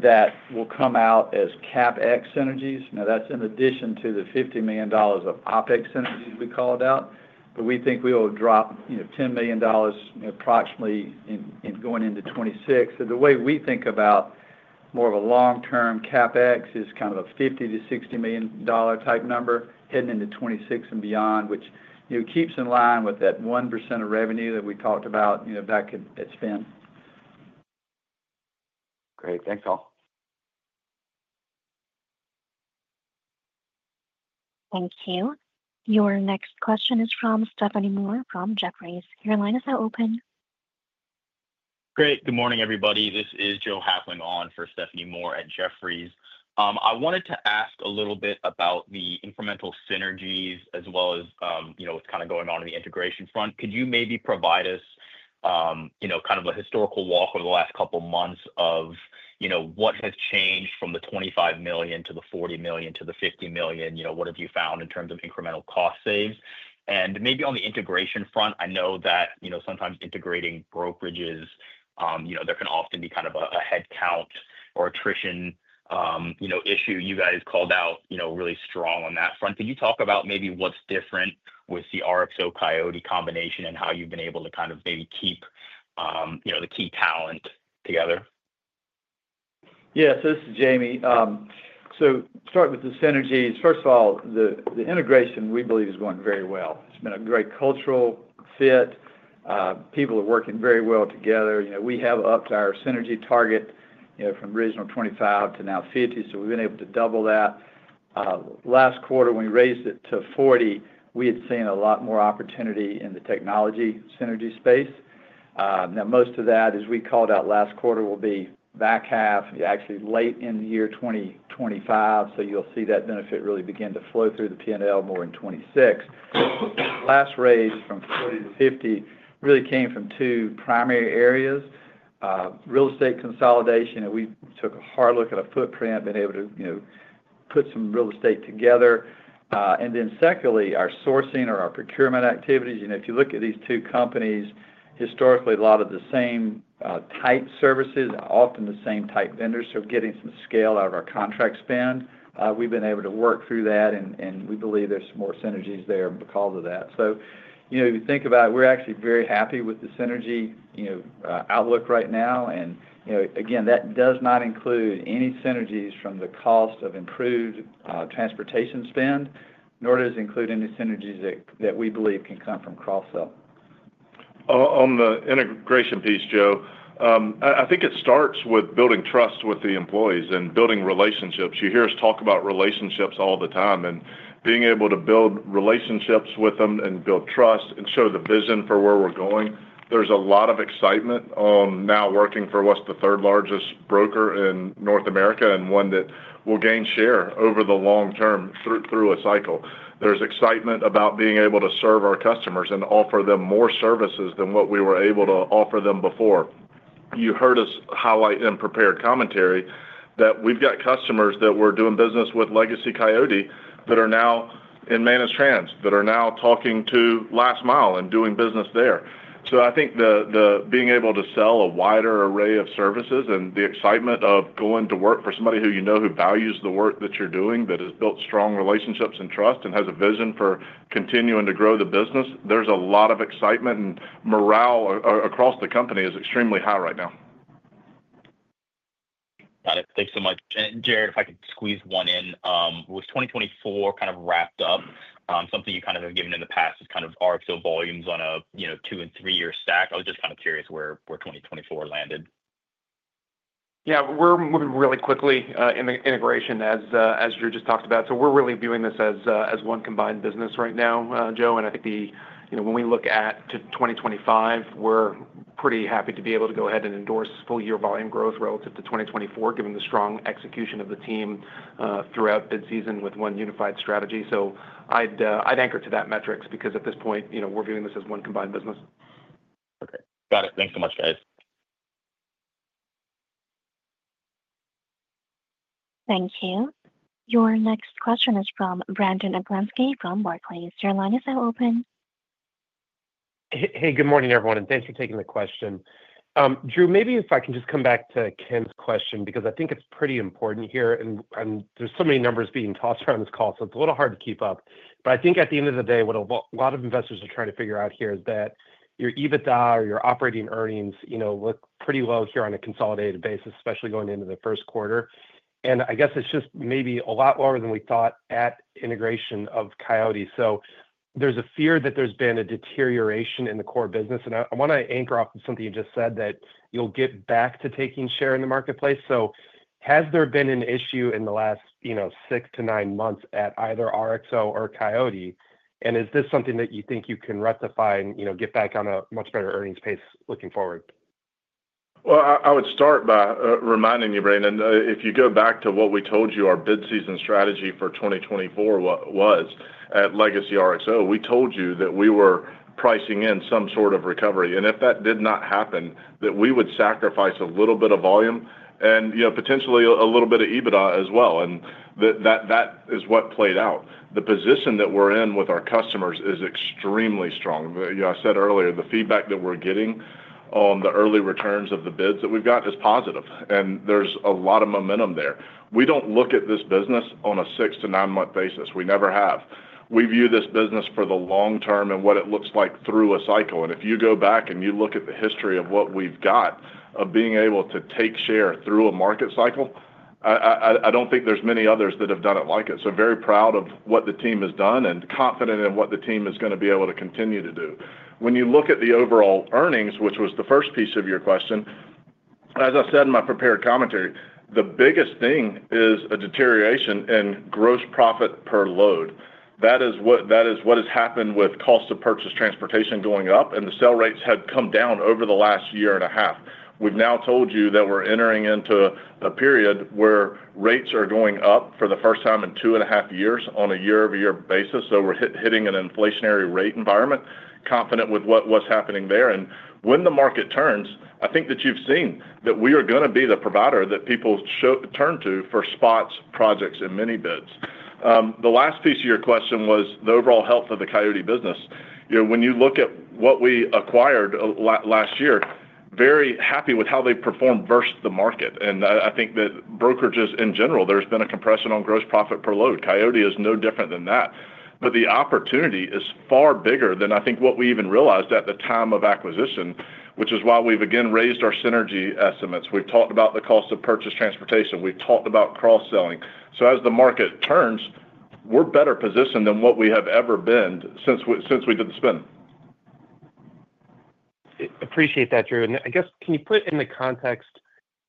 that will come out as CapEx synergies. Now, that's in addition to the $50 million of OpEx synergies we called out, but we think we will drop $10 million approximately in going into 2026. So the way we think about more of a long-term CapEx is kind of a $50 million-$60 million type number heading into 2026 and beyond, which keeps in line with that 1% of revenue that we talked about that could spend. Great. Thanks, all. Thank you. Your next question is from Stephanie Moore from Jefferies. Your line is now open. Great. Good morning, everybody. This is Joe Hafling on for Stephanie Moore at Jefferies. I wanted to ask a little bit about the incremental synergies as well as what's kind of going on in the integration front. Could you maybe provide us kind of a historical walk over the last couple of months of what has changed from the $25 million to the $40 million to the $50 million? What have you found in terms of incremental cost saves? And maybe on the integration front, I know that sometimes integrating brokerages, there can often be kind of a headcount or attrition issue. You guys called out really strong on that front. Could you talk about maybe what's different with the RXO-Coyote combination and how you've been able to kind of maybe keep the key talent together? Yeah. So this is Jamie. So start with the synergies. First of all, the integration, we believe, is going very well. It's been a great cultural fit. People are working very well together. We have upped our synergy target from original $25 million to now $50 million. So we've been able to double that. Last quarter, when we raised it to $40 million, we had seen a lot more opportunity in the technology synergy space. Now, most of that, as we called out last quarter, will be back half, actually late in the year 2025. So you'll see that benefit really begin to flow through the P&L more in 2026. Last raise from $40 million to $50 million really came from two primary areas: real estate consolidation. We took a hard look at a footprint, been able to put some real estate together. And then secondly, our sourcing or our procurement activities. If you look at these two companies, historically, a lot of the same type services, often the same type vendors, so getting some scale out of our contract spend. We've been able to work through that, and we believe there's some more synergies there because of that. So if you think about it, we're actually very happy with the synergy outlook right now. And again, that does not include any synergies from the cost of improved transportation spend, nor does it include any synergies that we believe can come from cross-sell. On the integration piece, Joe, I think it starts with building trust with the employees and building relationships. You hear us talk about relationships all the time, and being able to build relationships with them and build trust and show the vision for where we're going. There's a lot of excitement about now working for what's the third largest broker in North America and one that will gain share over the long term through a cycle. There's excitement about being able to serve our customers and offer them more services than what we were able to offer them before. You heard us highlight in prepared commentary that we've got customers that were doing business with legacy Coyote that are now in Managed Trans that are now talking to Last Mile and doing business there. So, I think being able to sell a wider array of services and the excitement of going to work for somebody who, you know, who values the work that you're doing, that has built strong relationships and trust and has a vision for continuing to grow the business, there's a lot of excitement and morale across the company is extremely high right now. Got it. Thanks so much. And Jared, if I could squeeze one in, was 2024 kind of wrapped up? Something you kind of have given in the past is kind of RXO volumes on a two and three-year stack. I was just kind of curious where 2024 landed. Yeah. We're moving really quickly in the integration, as Drew just talked about. So we're really viewing this as one combined business right now, Joe. And I think when we look at 2025, we're pretty happy to be able to go ahead and endorse full-year volume growth relative to 2024, given the strong execution of the team throughout bid season with one unified strategy. So I'd anchor to that metrics because at this point, we're viewing this as one combined business. Okay. Got it. Thanks so much, guys. Thank you. Your next question is from Brandon Oglenski from Barclays. Your line is now open. Hey, good morning, everyone. And thanks for taking the question. Drew, maybe if I can just come back to Ken's question because I think it's pretty important here. And there's so many numbers being tossed around this call, so it's a little hard to keep up. But I think at the end of the day, what a lot of investors are trying to figure out here is that your EBITDA or your operating earnings look pretty low here on a consolidated basis, especially going into the first quarter. And I guess it's just maybe a lot lower than we thought at integration of Coyote. And there's a fear that there's been a deterioration in the core business. And I want to anchor off of something you just said that you'll get back to taking share in the marketplace. So has there been an issue in the last six to nine months at either RXO or Coyote? And is this something that you think you can rectify and get back on a much better earnings pace looking forward? I would start by reminding you, Brandon, if you go back to what we told you our bid season strategy for 2024 was at legacy RXO, we told you that we were pricing in some sort of recovery. If that did not happen, that we would sacrifice a little bit of volume and potentially a little bit of EBITDA as well. That is what played out. The position that we're in with our customers is extremely strong. I said earlier, the feedback that we're getting on the early returns of the bids that we've got is positive. There's a lot of momentum there. We don't look at this business on a six- to nine-month basis. We never have. We view this business for the long term and what it looks like through a cycle. And if you go back and you look at the history of what we've got of being able to take share through a market cycle, I don't think there's many others that have done it like it. So very proud of what the team has done and confident in what the team is going to be able to continue to do. When you look at the overall earnings, which was the first piece of your question, as I said in my prepared commentary, the biggest thing is a deterioration in gross profit per load. That is what has happened with cost of purchased transportation going up, and the sales rates had come down over the last year and a half. We've now told you that we're entering into a period where rates are going up for the first time in two and a half years on a year-over-year basis. So we're hitting an inflationary rate environment, confident with what's happening there. And when the market turns, I think that you've seen that we are going to be the provider that people turn to for spots, projects, and mini bids. The last piece of your question was the overall health of the Coyote business. When you look at what we acquired last year, very happy with how they performed versus the market. And I think that brokerages, in general, there's been a compression on gross profit per load. Coyote is no different than that. But the opportunity is far bigger than I think what we even realized at the time of acquisition, which is why we've again raised our synergy estimates. We've talked about the cost of purchased transportation. We've talked about cross-selling. So as the market turns, we're better positioned than what we have ever been since we did the spin. Appreciate that, Drew. And I guess can you put it in the context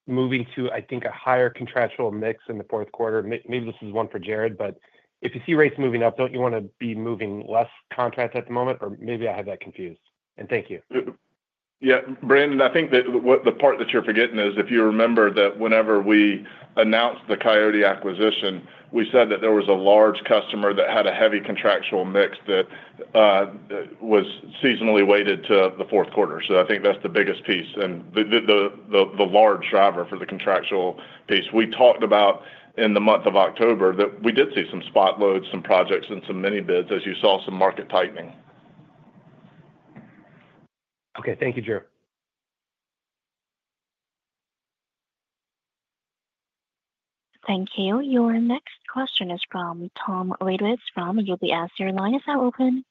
moving to, I think, a higher contractual mix in the fourth quarter? Maybe this is one for Jared, but if you see rates moving up, don't you want to be moving less contracts at the moment? Or maybe I have that confused? And thank you. Yeah. Brandon, I think the part that you're forgetting is if you remember that whenever we announced the Coyote acquisition, we said that there was a large customer that had a heavy contractual mix that was seasonally weighted to the fourth quarter. So I think that's the biggest piece and the large driver for the contractual piece. We talked about in the month of October that we did see some spot loads, some projects, and some mini bids as you saw some market tightening. Okay. Thank you, Drew. Thank you. Your next question is from Tom Wadewitz from UBS. Your line is now open.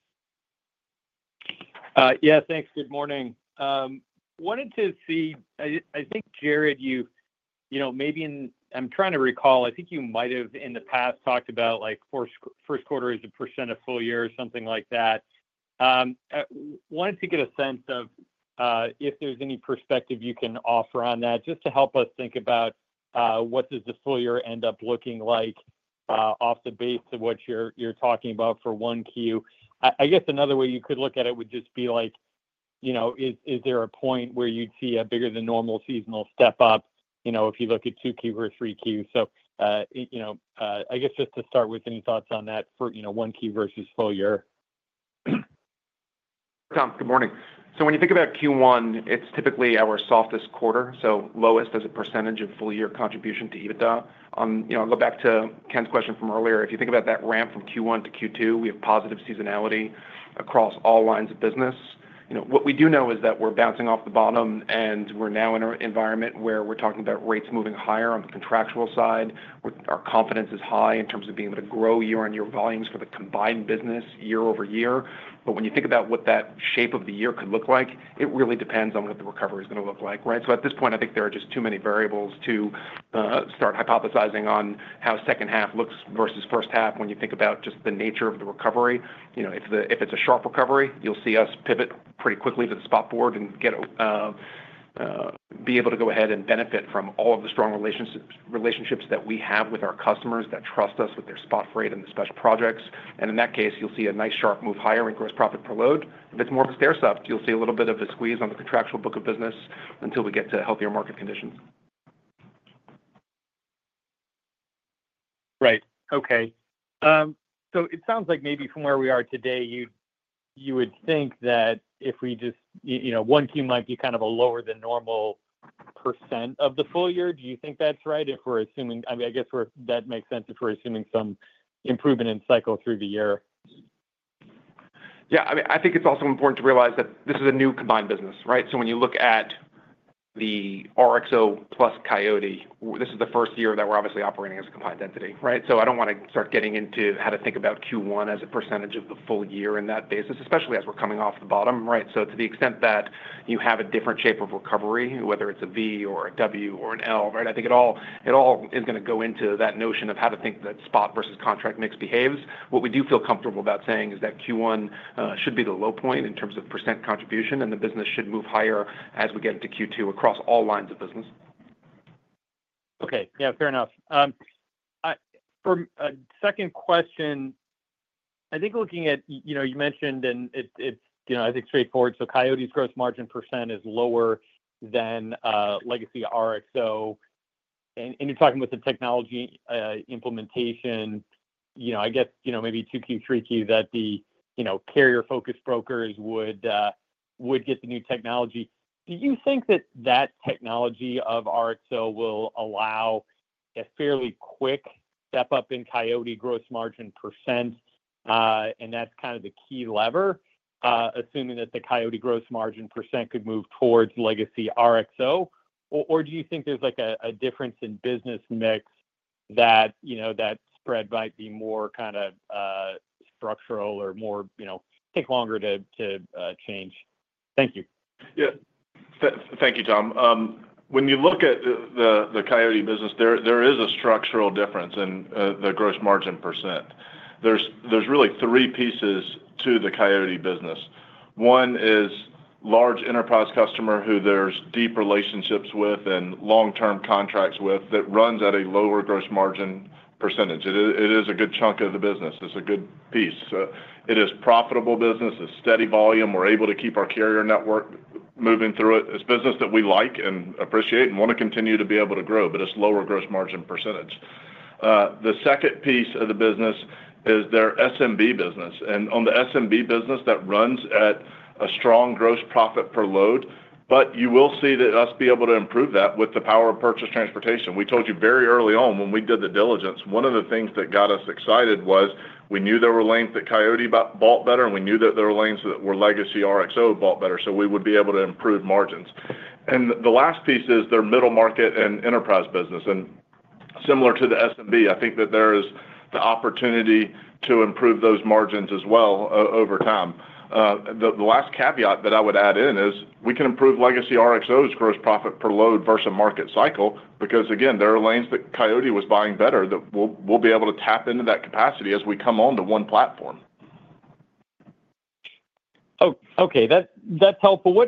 Yeah. Thanks. Good morning. I wanted to see, I think, Jared, you maybe – I'm trying to recall. I think you might have in the past talked about first quarter is a percent of full year or something like that. I wanted to get a sense of if there's any perspective you can offer on that just to help us think about what does the full year end up looking like off the base of what you're talking about for 1Q. I guess another way you could look at it would just be like, is there a point where you'd see a bigger than normal seasonal step up if you look at 2Q or 3Q? So I guess just to start with, any thoughts on that for 1Q versus full year? Tom, good morning. So when you think about Q1, it's typically our softest quarter, so lowest as a percentage of full year contribution to EBITDA. I'll go back to Ken's question from earlier. If you think about that ramp from Q1 to Q2, we have positive seasonality across all lines of business. What we do know is that we're bouncing off the bottom, and we're now in an environment where we're talking about rates moving higher on the contractual side. Our confidence is high in terms of being able to grow year-on-year volumes for the combined business year-over-year. But when you think about what that shape of the year could look like, it really depends on what the recovery is going to look like, right? So at this point, I think there are just too many variables to start hypothesizing on how second half looks versus first half when you think about just the nature of the recovery. If it's a sharp recovery, you'll see us pivot pretty quickly to the spot board and be able to go ahead and benefit from all of the strong relationships that we have with our customers that trust us with their spot freight and the special projects. And in that case, you'll see a nice sharp move higher in gross profit per load. If it's more of a stair step, you'll see a little bit of a squeeze on the contractual book of business until we get to healthier market conditions. Right. Okay. So it sounds like maybe from where we are today, you would think that if we just 1Q might be kind of a lower than normal percent of the full year. Do you think that's right? If we're assuming, I mean, I guess that makes sense if we're assuming some improvement in cycle through the year. Yeah. I mean, I think it's also important to realize that this is a new combined business, right? So when you look at the RXO plus Coyote, this is the first year that we're obviously operating as a combined entity, right? So I don't want to start getting into how to think about Q1 as a percentage of the full year in that basis, especially as we're coming off the bottom, right? So to the extent that you have a different shape of recovery, whether it's a V or a W or an L, right, I think it all is going to go into that notion of how to think that spot versus contract mix behaves. What we do feel comfortable about saying is that Q1 should be the low point in terms of percent contribution, and the business should move higher as we get into Q2 across all lines of business. Okay. Yeah. Fair enough. For a second question, I think looking at you mentioned, and it's I think straightforward. So Coyote's gross margin percent is lower than legacy RXO. And you're talking with the technology implementation, I guess maybe 2Q, 3Q that the carrier-focused brokers would get the new technology. Do you think that that technology of RXO will allow a fairly quick step up in Coyote gross margin percent, and that's kind of the key lever, assuming that the Coyote gross margin percent could move towards legacy RXO? Or do you think there's a difference in business mix that that spread might be more kind of structural or take longer to change? Thank you. Yeah. Thank you, Tom. When you look at the Coyote business, there is a structural difference in the gross margin percent. There's really three pieces to the Coyote business. One is large enterprise customer who there's deep relationships with and long-term contracts with that runs at a lower gross margin percentage. It is a good chunk of the business. It's a good piece. It is profitable business. It's steady volume. We're able to keep our carrier network moving through it. It's business that we like and appreciate and want to continue to be able to grow, but it's lower gross margin percentage. The second piece of the business is their SMB business, and on the SMB business, that runs at a strong gross profit per load, but you will see that us be able to improve that with the power of purchased transportation. We told you very early on when we did the diligence, one of the things that got us excited was we knew there were lanes that Coyote bought better, and we knew that there were lanes that were legacy RXO bought better, so we would be able to improve margins. And the last piece is their middle market and enterprise business. And similar to the SMB, I think that there is the opportunity to improve those margins as well over time. The last caveat that I would add in is we can improve legacy RXO's gross profit per load versus market cycle because, again, there are lanes that Coyote was buying better that we'll be able to tap into that capacity as we come on to one platform. Okay. That's helpful.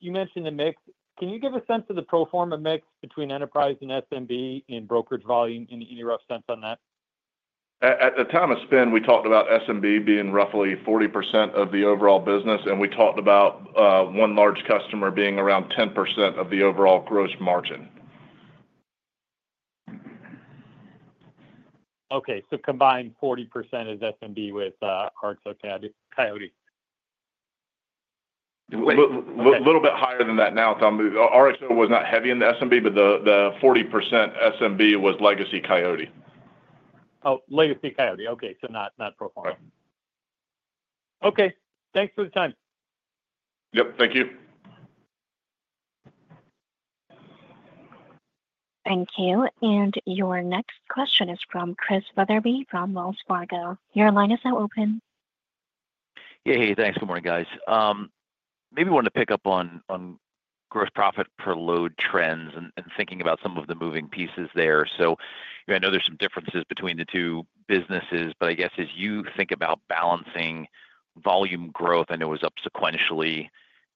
You mentioned the mix. Can you give a sense of the pro forma mix between enterprise and SMB in brokerage volume in any rough sense on that? At the time of spin, we talked about SMB being roughly 40% of the overall business, and we talked about one large customer being around 10% of the overall gross margin. Okay. So combined 40% is SMB with RXO Coyote. A little bit higher than that now. RXO was not heavy in the SMB, but the 40% SMB was legacy Coyote. Oh, legacy Coyote. Okay. So not pro forma. Yeah. Okay. Thanks for the time. Yep. Thank you. Thank you, and your next question is from Chris Wetherbee from Wells Fargo. Your line is now open. Hey, hey. Thanks. Good morning, guys. Maybe wanted to pick up on gross profit per load trends and thinking about some of the moving pieces there. So I know there's some differences between the two businesses, but I guess as you think about balancing volume growth, I know it was up sequentially.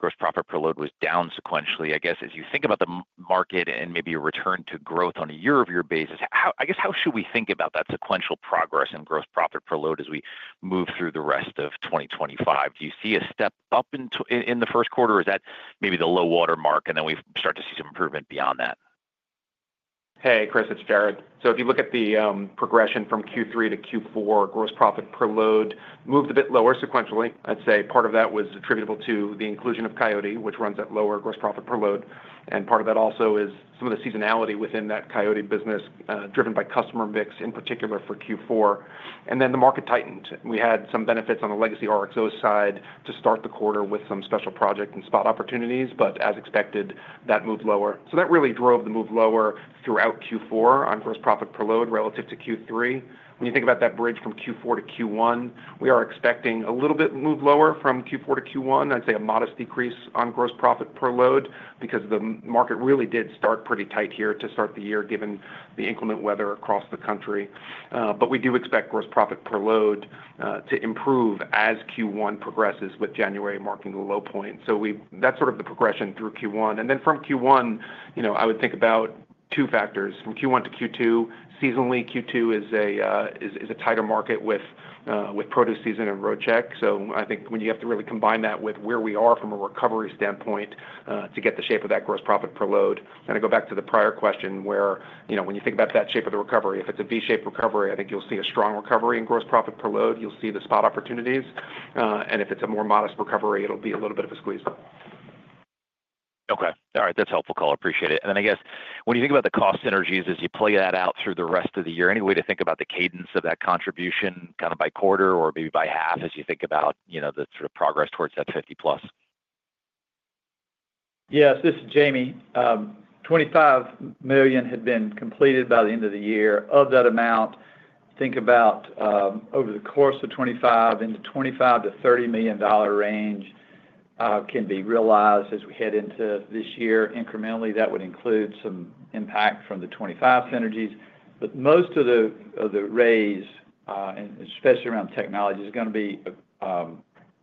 Gross profit per load was down sequentially. I guess as you think about the market and maybe your return to growth on a year-over-year basis, I guess how should we think about that sequential progress in gross profit per load as we move through the rest of 2025? Do you see a step up in the first quarter? Is that maybe the low watermark, and then we start to see some improvement beyond that? Hey, Chris. It's Jared. So if you look at the progression from Q3 to Q4, gross profit per load moved a bit lower sequentially. I'd say part of that was attributable to the inclusion of Coyote, which runs at lower gross profit per load. And part of that also is some of the seasonality within that Coyote business driven by customer mix in particular for Q4. And then the market tightened. We had some benefits on the legacy RXO side to start the quarter with some special project and spot opportunities, but as expected, that moved lower. So that really drove the move lower throughout Q4 on gross profit per load relative to Q3. When you think about that bridge from Q4 to Q1, we are expecting a little bit moved lower from Q4 to Q1. I'd say a modest decrease on gross profit per load because the market really did start pretty tight here to start the year given the inclement weather across the country. But we do expect gross profit per load to improve as Q1 progresses with January marking the low point. So that's sort of the progression through Q1. And then from Q1, I would think about two factors. From Q1 to Q2, seasonally, Q2 is a tighter market with produce season and Roadcheck. So I think when you have to really combine that with where we are from a recovery standpoint to get the shape of that gross profit per load. And I go back to the prior question where when you think about that shape of the recovery, if it's a V-shaped recovery, I think you'll see a strong recovery in gross profit per load. You'll see the spot opportunities, and if it's a more modest recovery, it'll be a little bit of a squeeze. Okay. All right. That's helpful color. Appreciate it. And then I guess when you think about the cost synergies as you play that out through the rest of the year, any way to think about the cadence of that contribution kind of by quarter or maybe by half as you think about the sort of progress towards that 50-plus? Yes. This is Jamie. $25 million had been completed by the end of the year. Of that amount, think about over the course of 2025, into $25 million-$30 million range can be realized as we head into this year incrementally. That would include some impact from the $25 million synergies. But most of the raise, especially around technology, is going to be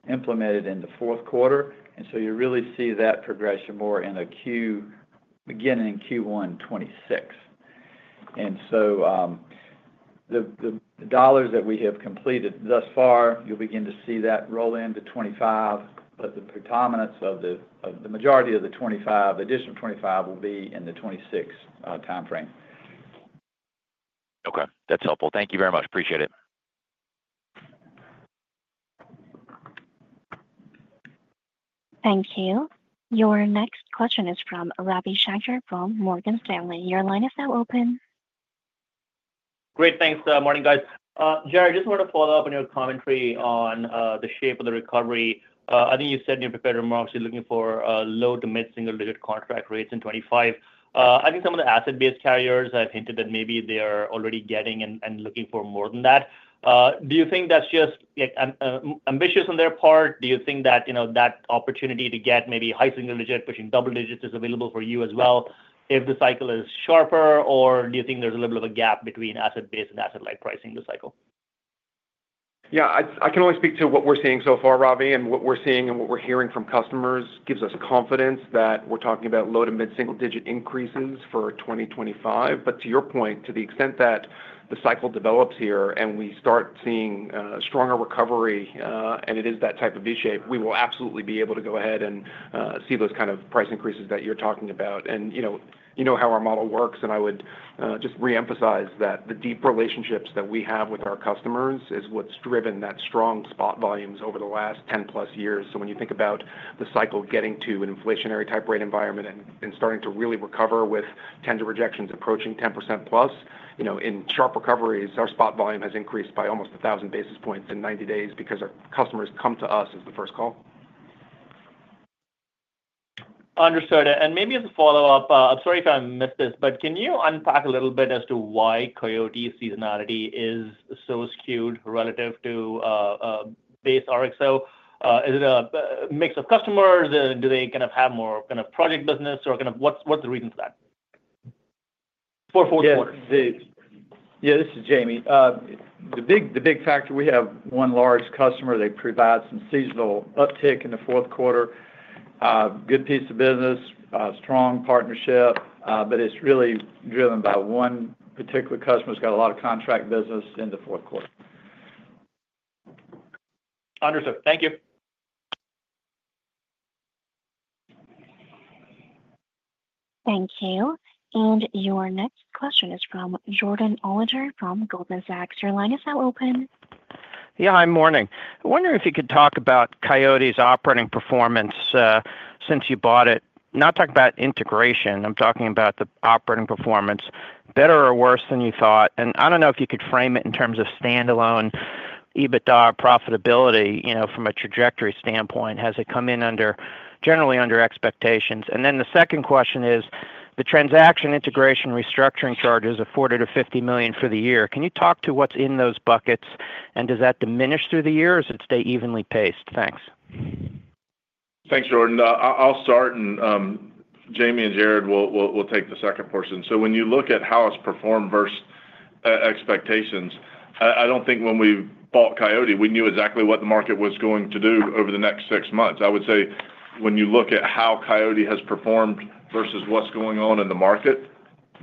implemented in the fourth quarter. And so you really see that progression more in Q1, beginning in Q1 2026. And so the dollars that we have completed thus far, you'll begin to see that roll into 2025, but the predominance of the majority of the additional $25 million will be in the 2026 timeframe. Okay. That's helpful. Thank you very much. Appreciate it. Thank you. Your next question is from Ravi Shanker from Morgan Stanley. Your line is now open. Great. Thanks. Morning, guys. Jared, just wanted to follow up on your commentary on the shape of the recovery. I think you said in your prepared remarks you're looking for low to mid single-digit contract rates in 2025. I think some of the asset-based carriers have hinted that maybe they are already getting and looking for more than that. Do you think that's just ambitious on their part? Do you think that that opportunity to get maybe high single-digit pushing double digits is available for you as well if the cycle is sharper, or do you think there's a little bit of a gap between asset-based and asset-light pricing this cycle? Yeah. I can only speak to what we're seeing so far, Ravi. And what we're seeing and what we're hearing from customers gives us confidence that we're talking about low to mid single-digit increases for 2025. But to your point, to the extent that the cycle develops here and we start seeing stronger recovery, and it is that type of V-shape, we will absolutely be able to go ahead and see those kind of price increases that you're talking about. And you know how our model works, and I would just reemphasize that the deep relationships that we have with our customers is what's driven that strong spot volumes over the last 10-plus years. So when you think about the cycle getting to an inflationary type rate environment and starting to really recover with tender rejections approaching 10% plus, in sharp recoveries, our spot volume has increased by almost 1,000 basis points in 90 days because our customers come to us as the first call. Understood, and maybe as a follow-up, I'm sorry if I missed this, but can you unpack a little bit as to why Coyote seasonality is so skewed relative to base RXO? Is it a mix of customers, and do they kind of have more kind of project business, or kind of what's the reason for that? For fourth quarter. Yeah. This is Jamie. The big factor, we have one large customer. They provide some seasonal uptick in the fourth quarter. Good piece of business, strong partnership, but it's really driven by one particular customer who's got a lot of contract business in the fourth quarter. Understood. Thank you. Thank you. And your next question is from Jordan Alliger from Goldman Sachs. Your line is now open. Yeah. Hi, morning. I wonder if you could talk about Coyote's operating performance since you bought it. Not talking about integration. I'm talking about the operating performance, better or worse than you thought. And I don't know if you could frame it in terms of standalone EBITDA profitability from a trajectory standpoint. Has it come in generally under expectations? And then the second question is the transaction integration restructuring charges of $40 million-$50 million for the year. Can you talk to what's in those buckets, and does that diminish through the year, or does it stay evenly paced? Thanks. Thanks, Jordan. I'll start, and Jamie and Jared will take the second portion. When you look at how it's performed versus expectations, I don't think when we bought Coyote, we knew exactly what the market was going to do over the next six months. I would say when you look at how Coyote has performed versus what's going on in the market,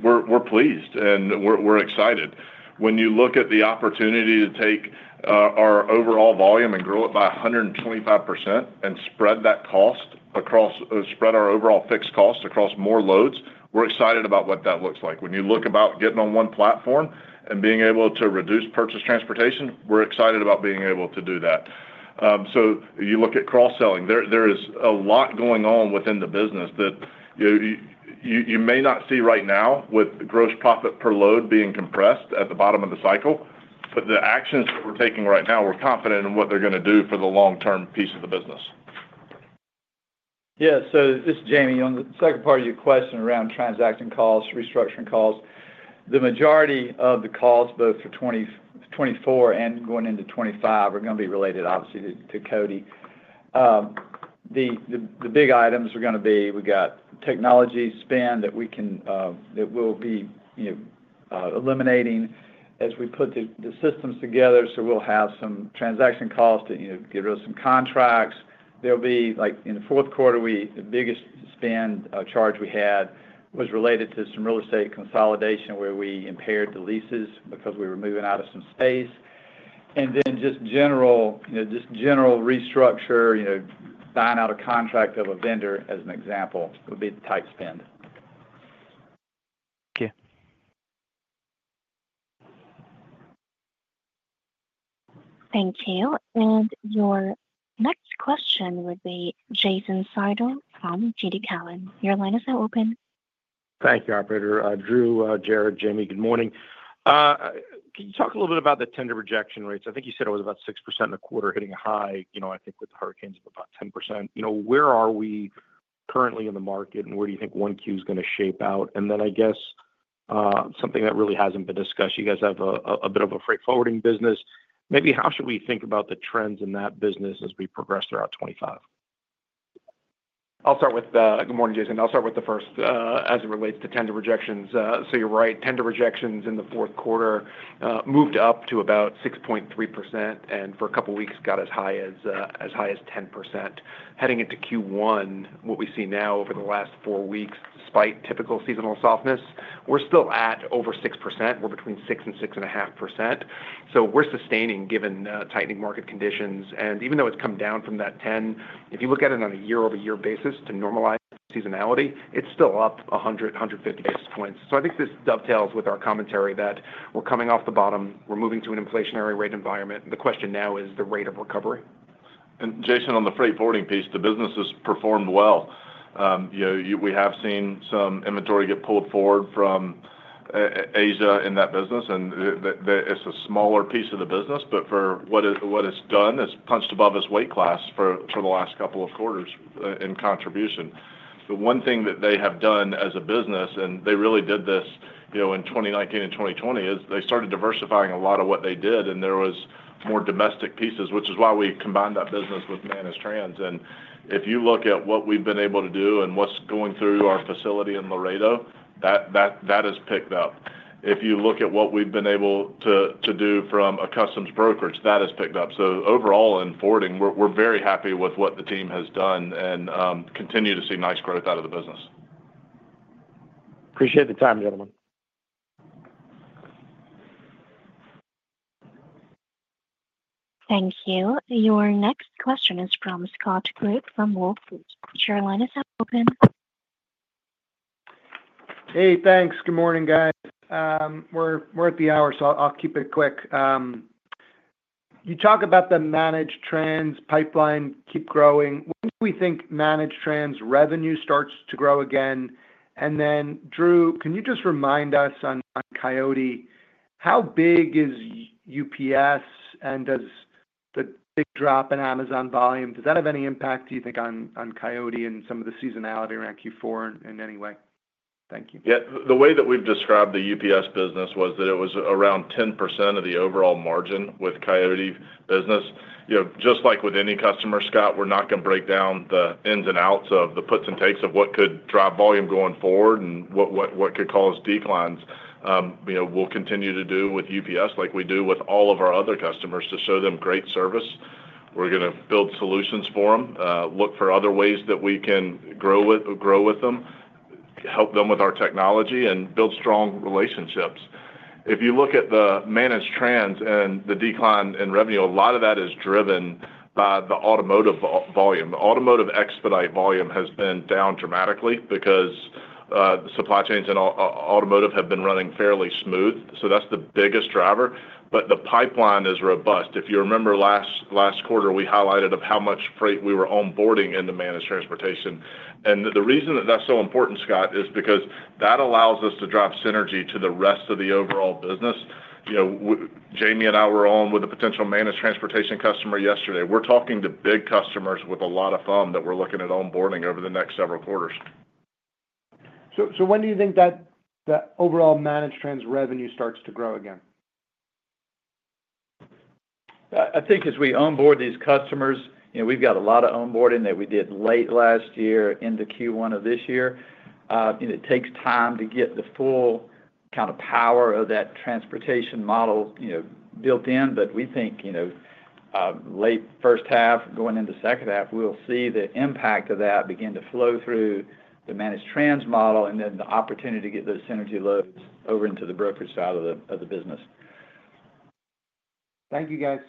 we're pleased and we're excited. When you look at the opportunity to take our overall volume and grow it by 125% and spread that cost across our overall fixed cost across more loads, we're excited about what that looks like. When you look about getting on one platform and being able to reduce purchased transportation, we're excited about being able to do that. So, you look at cross-selling. There is a lot going on within the business that you may not see right now with gross profit per load being compressed at the bottom of the cycle, but the actions that we're taking right now. We're confident in what they're going to do for the long-term piece of the business. Yeah. This is Jamie. On the second part of your question around transaction costs, restructuring costs, the majority of the costs both for 2024 and going into 2025 are going to be related, obviously, to Coyote's. The big items are going to be we've got technology spend that we'll be eliminating as we put the systems together. So we'll have some transaction costs to get rid of some contracts. There'll be in the fourth quarter, the biggest spend charge we had was related to some real estate consolidation where we impaired the leases because we were moving out of some space. And then just general restructure, buying out a contract of a vendor as an example would be the IT spend. Thank you. Thank you. And your next question would be Jason Seidl from TD Cowen. Your line is now open. Thank you, Operator. Drew, Jared, Jamie, good morning. Can you talk a little bit about the tender rejection rates? I think you said it was about 6% in the quarter hitting a high, I think with the hurricanes of about 10%. Where are we currently in the market, and where do you think 1Q is going to shake out? And then I guess something that really hasn't been discussed, you guys have a bit of a Freight Forwarding business. Maybe how should we think about the trends in that business as we progress throughout 2025? I'll start with good morning, Jason. I'll start with the first as it relates to tender rejections. So you're right. Tender rejections in the fourth quarter moved up to about 6.3% and for a couple of weeks got as high as 10%. Heading into Q1, what we see now over the last four weeks, despite typical seasonal softness, we're still at over 6%. We're between 6% and 6.5%. So we're sustaining given tightening market conditions. And even though it's come down from that 10%, if you look at it on a year-over-year basis to normalize seasonality, it's still up 100, 150 basis points. So I think this dovetails with our commentary that we're coming off the bottom. We're moving to an inflationary rate environment. The question now is the rate of recovery. Jason, on the Freight Forwarding piece, the business has performed well. We have seen some inventory get pulled forward from Asia in that business. It's a smaller piece of the business, but for what it's done, it's punched above its weight class for the last couple of quarters in contribution. The one thing that they have done as a business, and they really did this in 2019 and 2020, is they started diversifying a lot of what they did, and there was more domestic pieces, which is why we combined that business with Managed Trans. If you look at what we've been able to do and what's going through our facility in Laredo, that has picked up. If you look at what we've been able to do from a customs brokerage, that has picked up. So overall in forwarding, we're very happy with what the team has done and continue to see nice growth out of the business. Appreciate the time, gentlemen. Thank you. Your next question is from Scott Group from Wolfe Research. Your line is now open. Hey, thanks. Good morning, guys. We're at the hour, so I'll keep it quick. You talk about the Managed Trans pipeline keep growing. When do we think Managed Trans's revenue starts to grow again? And then, Drew, can you just remind us on Coyote, how big is UPS, and does the big drop in Amazon volume, does that have any impact, do you think, on Coyote and some of the seasonality around Q4 in any way? Thank you. Yeah. The way that we've described the UPS business was that it was around 10% of the overall margin with Coyote business. Just like with any customer, Scott, we're not going to break down the ins and outs of the puts and takes of what could drive volume going forward and what could cause declines. We'll continue to do with UPS like we do with all of our other customers to show them great service. We're going to build solutions for them, look for other ways that we can grow with them, help them with our technology, and build strong relationships. If you look at the Managed Trans and the decline in revenue, a lot of that is driven by the automotive volume. The automotive expedite volume has been down dramatically because the supply chains in automotive have been running fairly smooth. So that's the biggest driver. But the pipeline is robust. If you remember last quarter, we highlighted how much freight we were onboarding into Managed Transportation. And the reason that that's so important, Scott, is because that allows us to drive synergy to the rest of the overall business. Jamie and I were on with a potential Managed Transportation customer yesterday. We're talking to big customers with a lot of volume that we're looking at onboarding over the next several quarters. So when do you think that overall Managed Trans's revenue starts to grow again? I think as we onboard these customers, we've got a lot of onboarding that we did late last year into Q1 of this year. It takes time to get the full kind of power of that transportation model built in, but we think late first half, going into second half, we'll see the impact of that begin to flow through the Managed Trans model and then the opportunity to get those synergy loads over into the brokerage side of the business. Thank you, guys.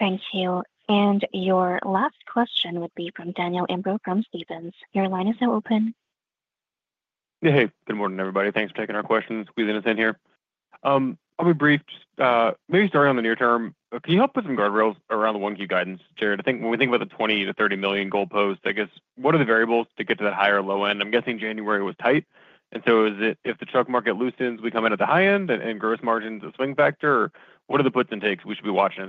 Thank you. And your last question would be from Daniel Imbro from Stephens. Your line is now open. Hey, good morning, everybody. Thanks for taking our questions. Squeezing us in here. I'll be brief. Maybe starting on the near term, can you help with some guardrails around the 1Q guidance, Jared? I think when we think about the $20 million-$30 million goalposts, I guess, what are the variables to get to that high or low end? I'm guessing January was tight, and so if the truck market loosens, we come in at the high end and gross margins are swing factor. What are the puts and takes we should be watching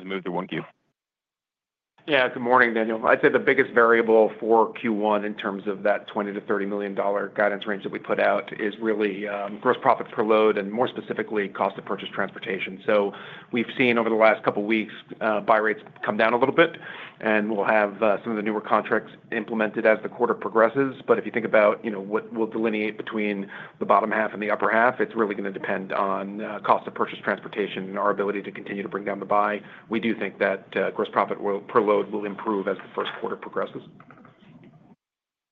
as we move through 1Q? Yeah. Good morning, Daniel. I'd say the biggest variable for Q1 in terms of that $20 million-$30 million guidance range that we put out is really gross profit per load and more specifically cost of purchased transportation. So we've seen over the last couple of weeks, buy rates come down a little bit, and we'll have some of the newer contracts implemented as the quarter progresses. But if you think about what we'll delineate between the bottom half and the upper half, it's really going to depend on cost of purchased transportation and our ability to continue to bring down the buy. We do think that gross profit per load will improve as the first quarter progresses.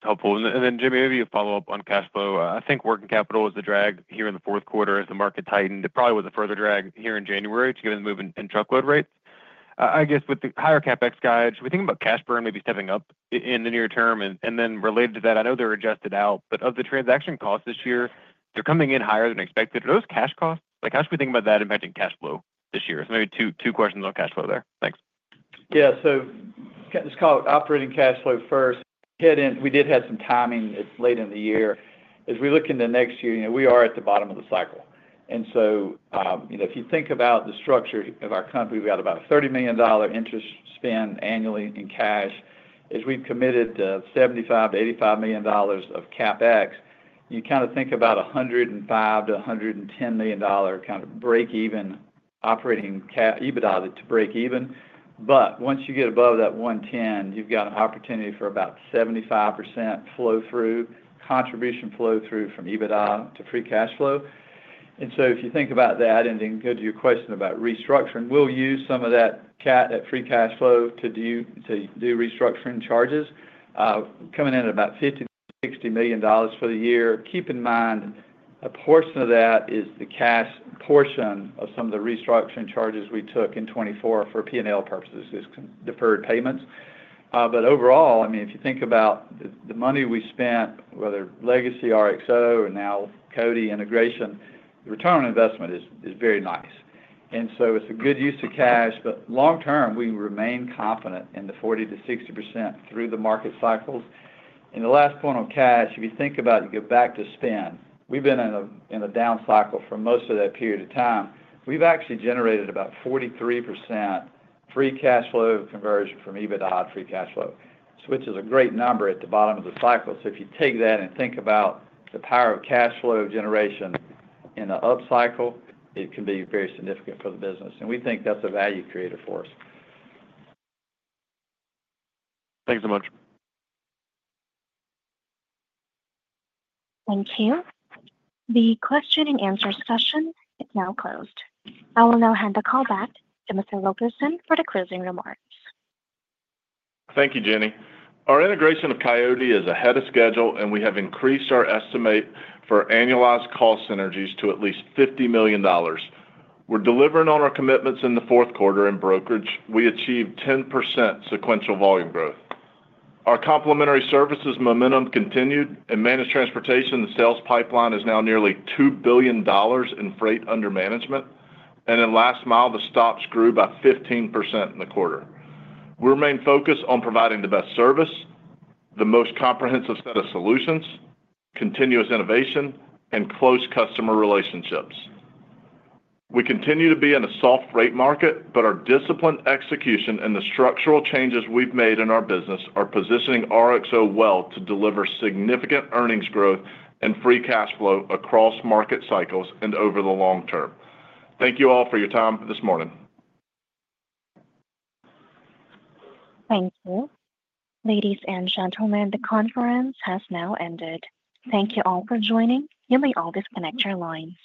Helpful. And then, Jamie, maybe a follow-up on cash flow. I think working capital was the drag here in the fourth quarter. As the market tightened, it probably was a further drag here in January to get in the move in truckload rates. I guess with the higher CapEx guide, should we think about cash burn maybe stepping up in the near term? And then related to that, I know they're adjusted out, but of the transaction costs this year, they're coming in higher than expected. Are those cash costs? How should we think about that impacting cash flow this year? So maybe two questions on cash flow there. Thanks. Yeah. So let's call it operating cash flow first. In Q4, we did have some timing late in the year. As we look into next year, we are at the bottom of the cycle. And so if you think about the structure of our company, we've got about a $30 million interest spend annually in cash. As we've committed $75 million-$85 million of CapEx, you kind of think about $105 million-$110 million kind of break-even operating EBITDA to break even. But once you get above that $110 million, you've got an opportunity for about 75% flow-through, contribution flow-through from EBITDA to free cash flow. And so if you think about that and then go to your question about restructuring, we'll use some of that free cash flow to do restructuring charges. Coming in at about $50 million-$60 million for the year. Keep in mind, a portion of that is the cash portion of some of the restructuring charges we took in 2024 for P&L purposes, deferred payments. But overall, I mean, if you think about the money we spent, whether legacy RXO and now Coyote integration, the return on investment is very nice. And so it's a good use of cash, but long term, we remain confident in the 40%-60% through the market cycles. And the last point on cash, if you think about it, you go back to spend. We've been in a down cycle for most of that period of time. We've actually generated about 43% free cash flow conversion from EBITDA to free cash flow, which is a great number at the bottom of the cycle. So if you take that and think about the power of cash flow generation in the up cycle, it can be very significant for the business. And we think that's a value creator for us. Thanks so much. Thank you. The question and answer session is now closed. I will now hand the call back to Mr. Wilkerson for the closing remarks. Thank you, Jenny. Our integration of Coyote is ahead of schedule, and we have increased our estimate for annualized cost synergies to at least $50 million. We're delivering on our commitments in the fourth quarter in brokerage. We achieved 10% sequential volume growth. Our Complementary Services momentum continued, and Managed Transportation's sales pipeline is now nearly $2 billion in freight under management, and in Last Mile, the stops grew by 15% in the quarter. We remain focused on providing the best service, the most comprehensive set of solutions, continuous innovation, and close customer relationships. We continue to be in a soft rate market, but our disciplined execution and the structural changes we've made in our business are positioning RXO well to deliver significant earnings growth and free cash flow across market cycles and over the long term. Thank you all for your time this morning. Thank you. Ladies and gentlemen, the conference has now ended. Thank you all for joining. You may all disconnect your lines.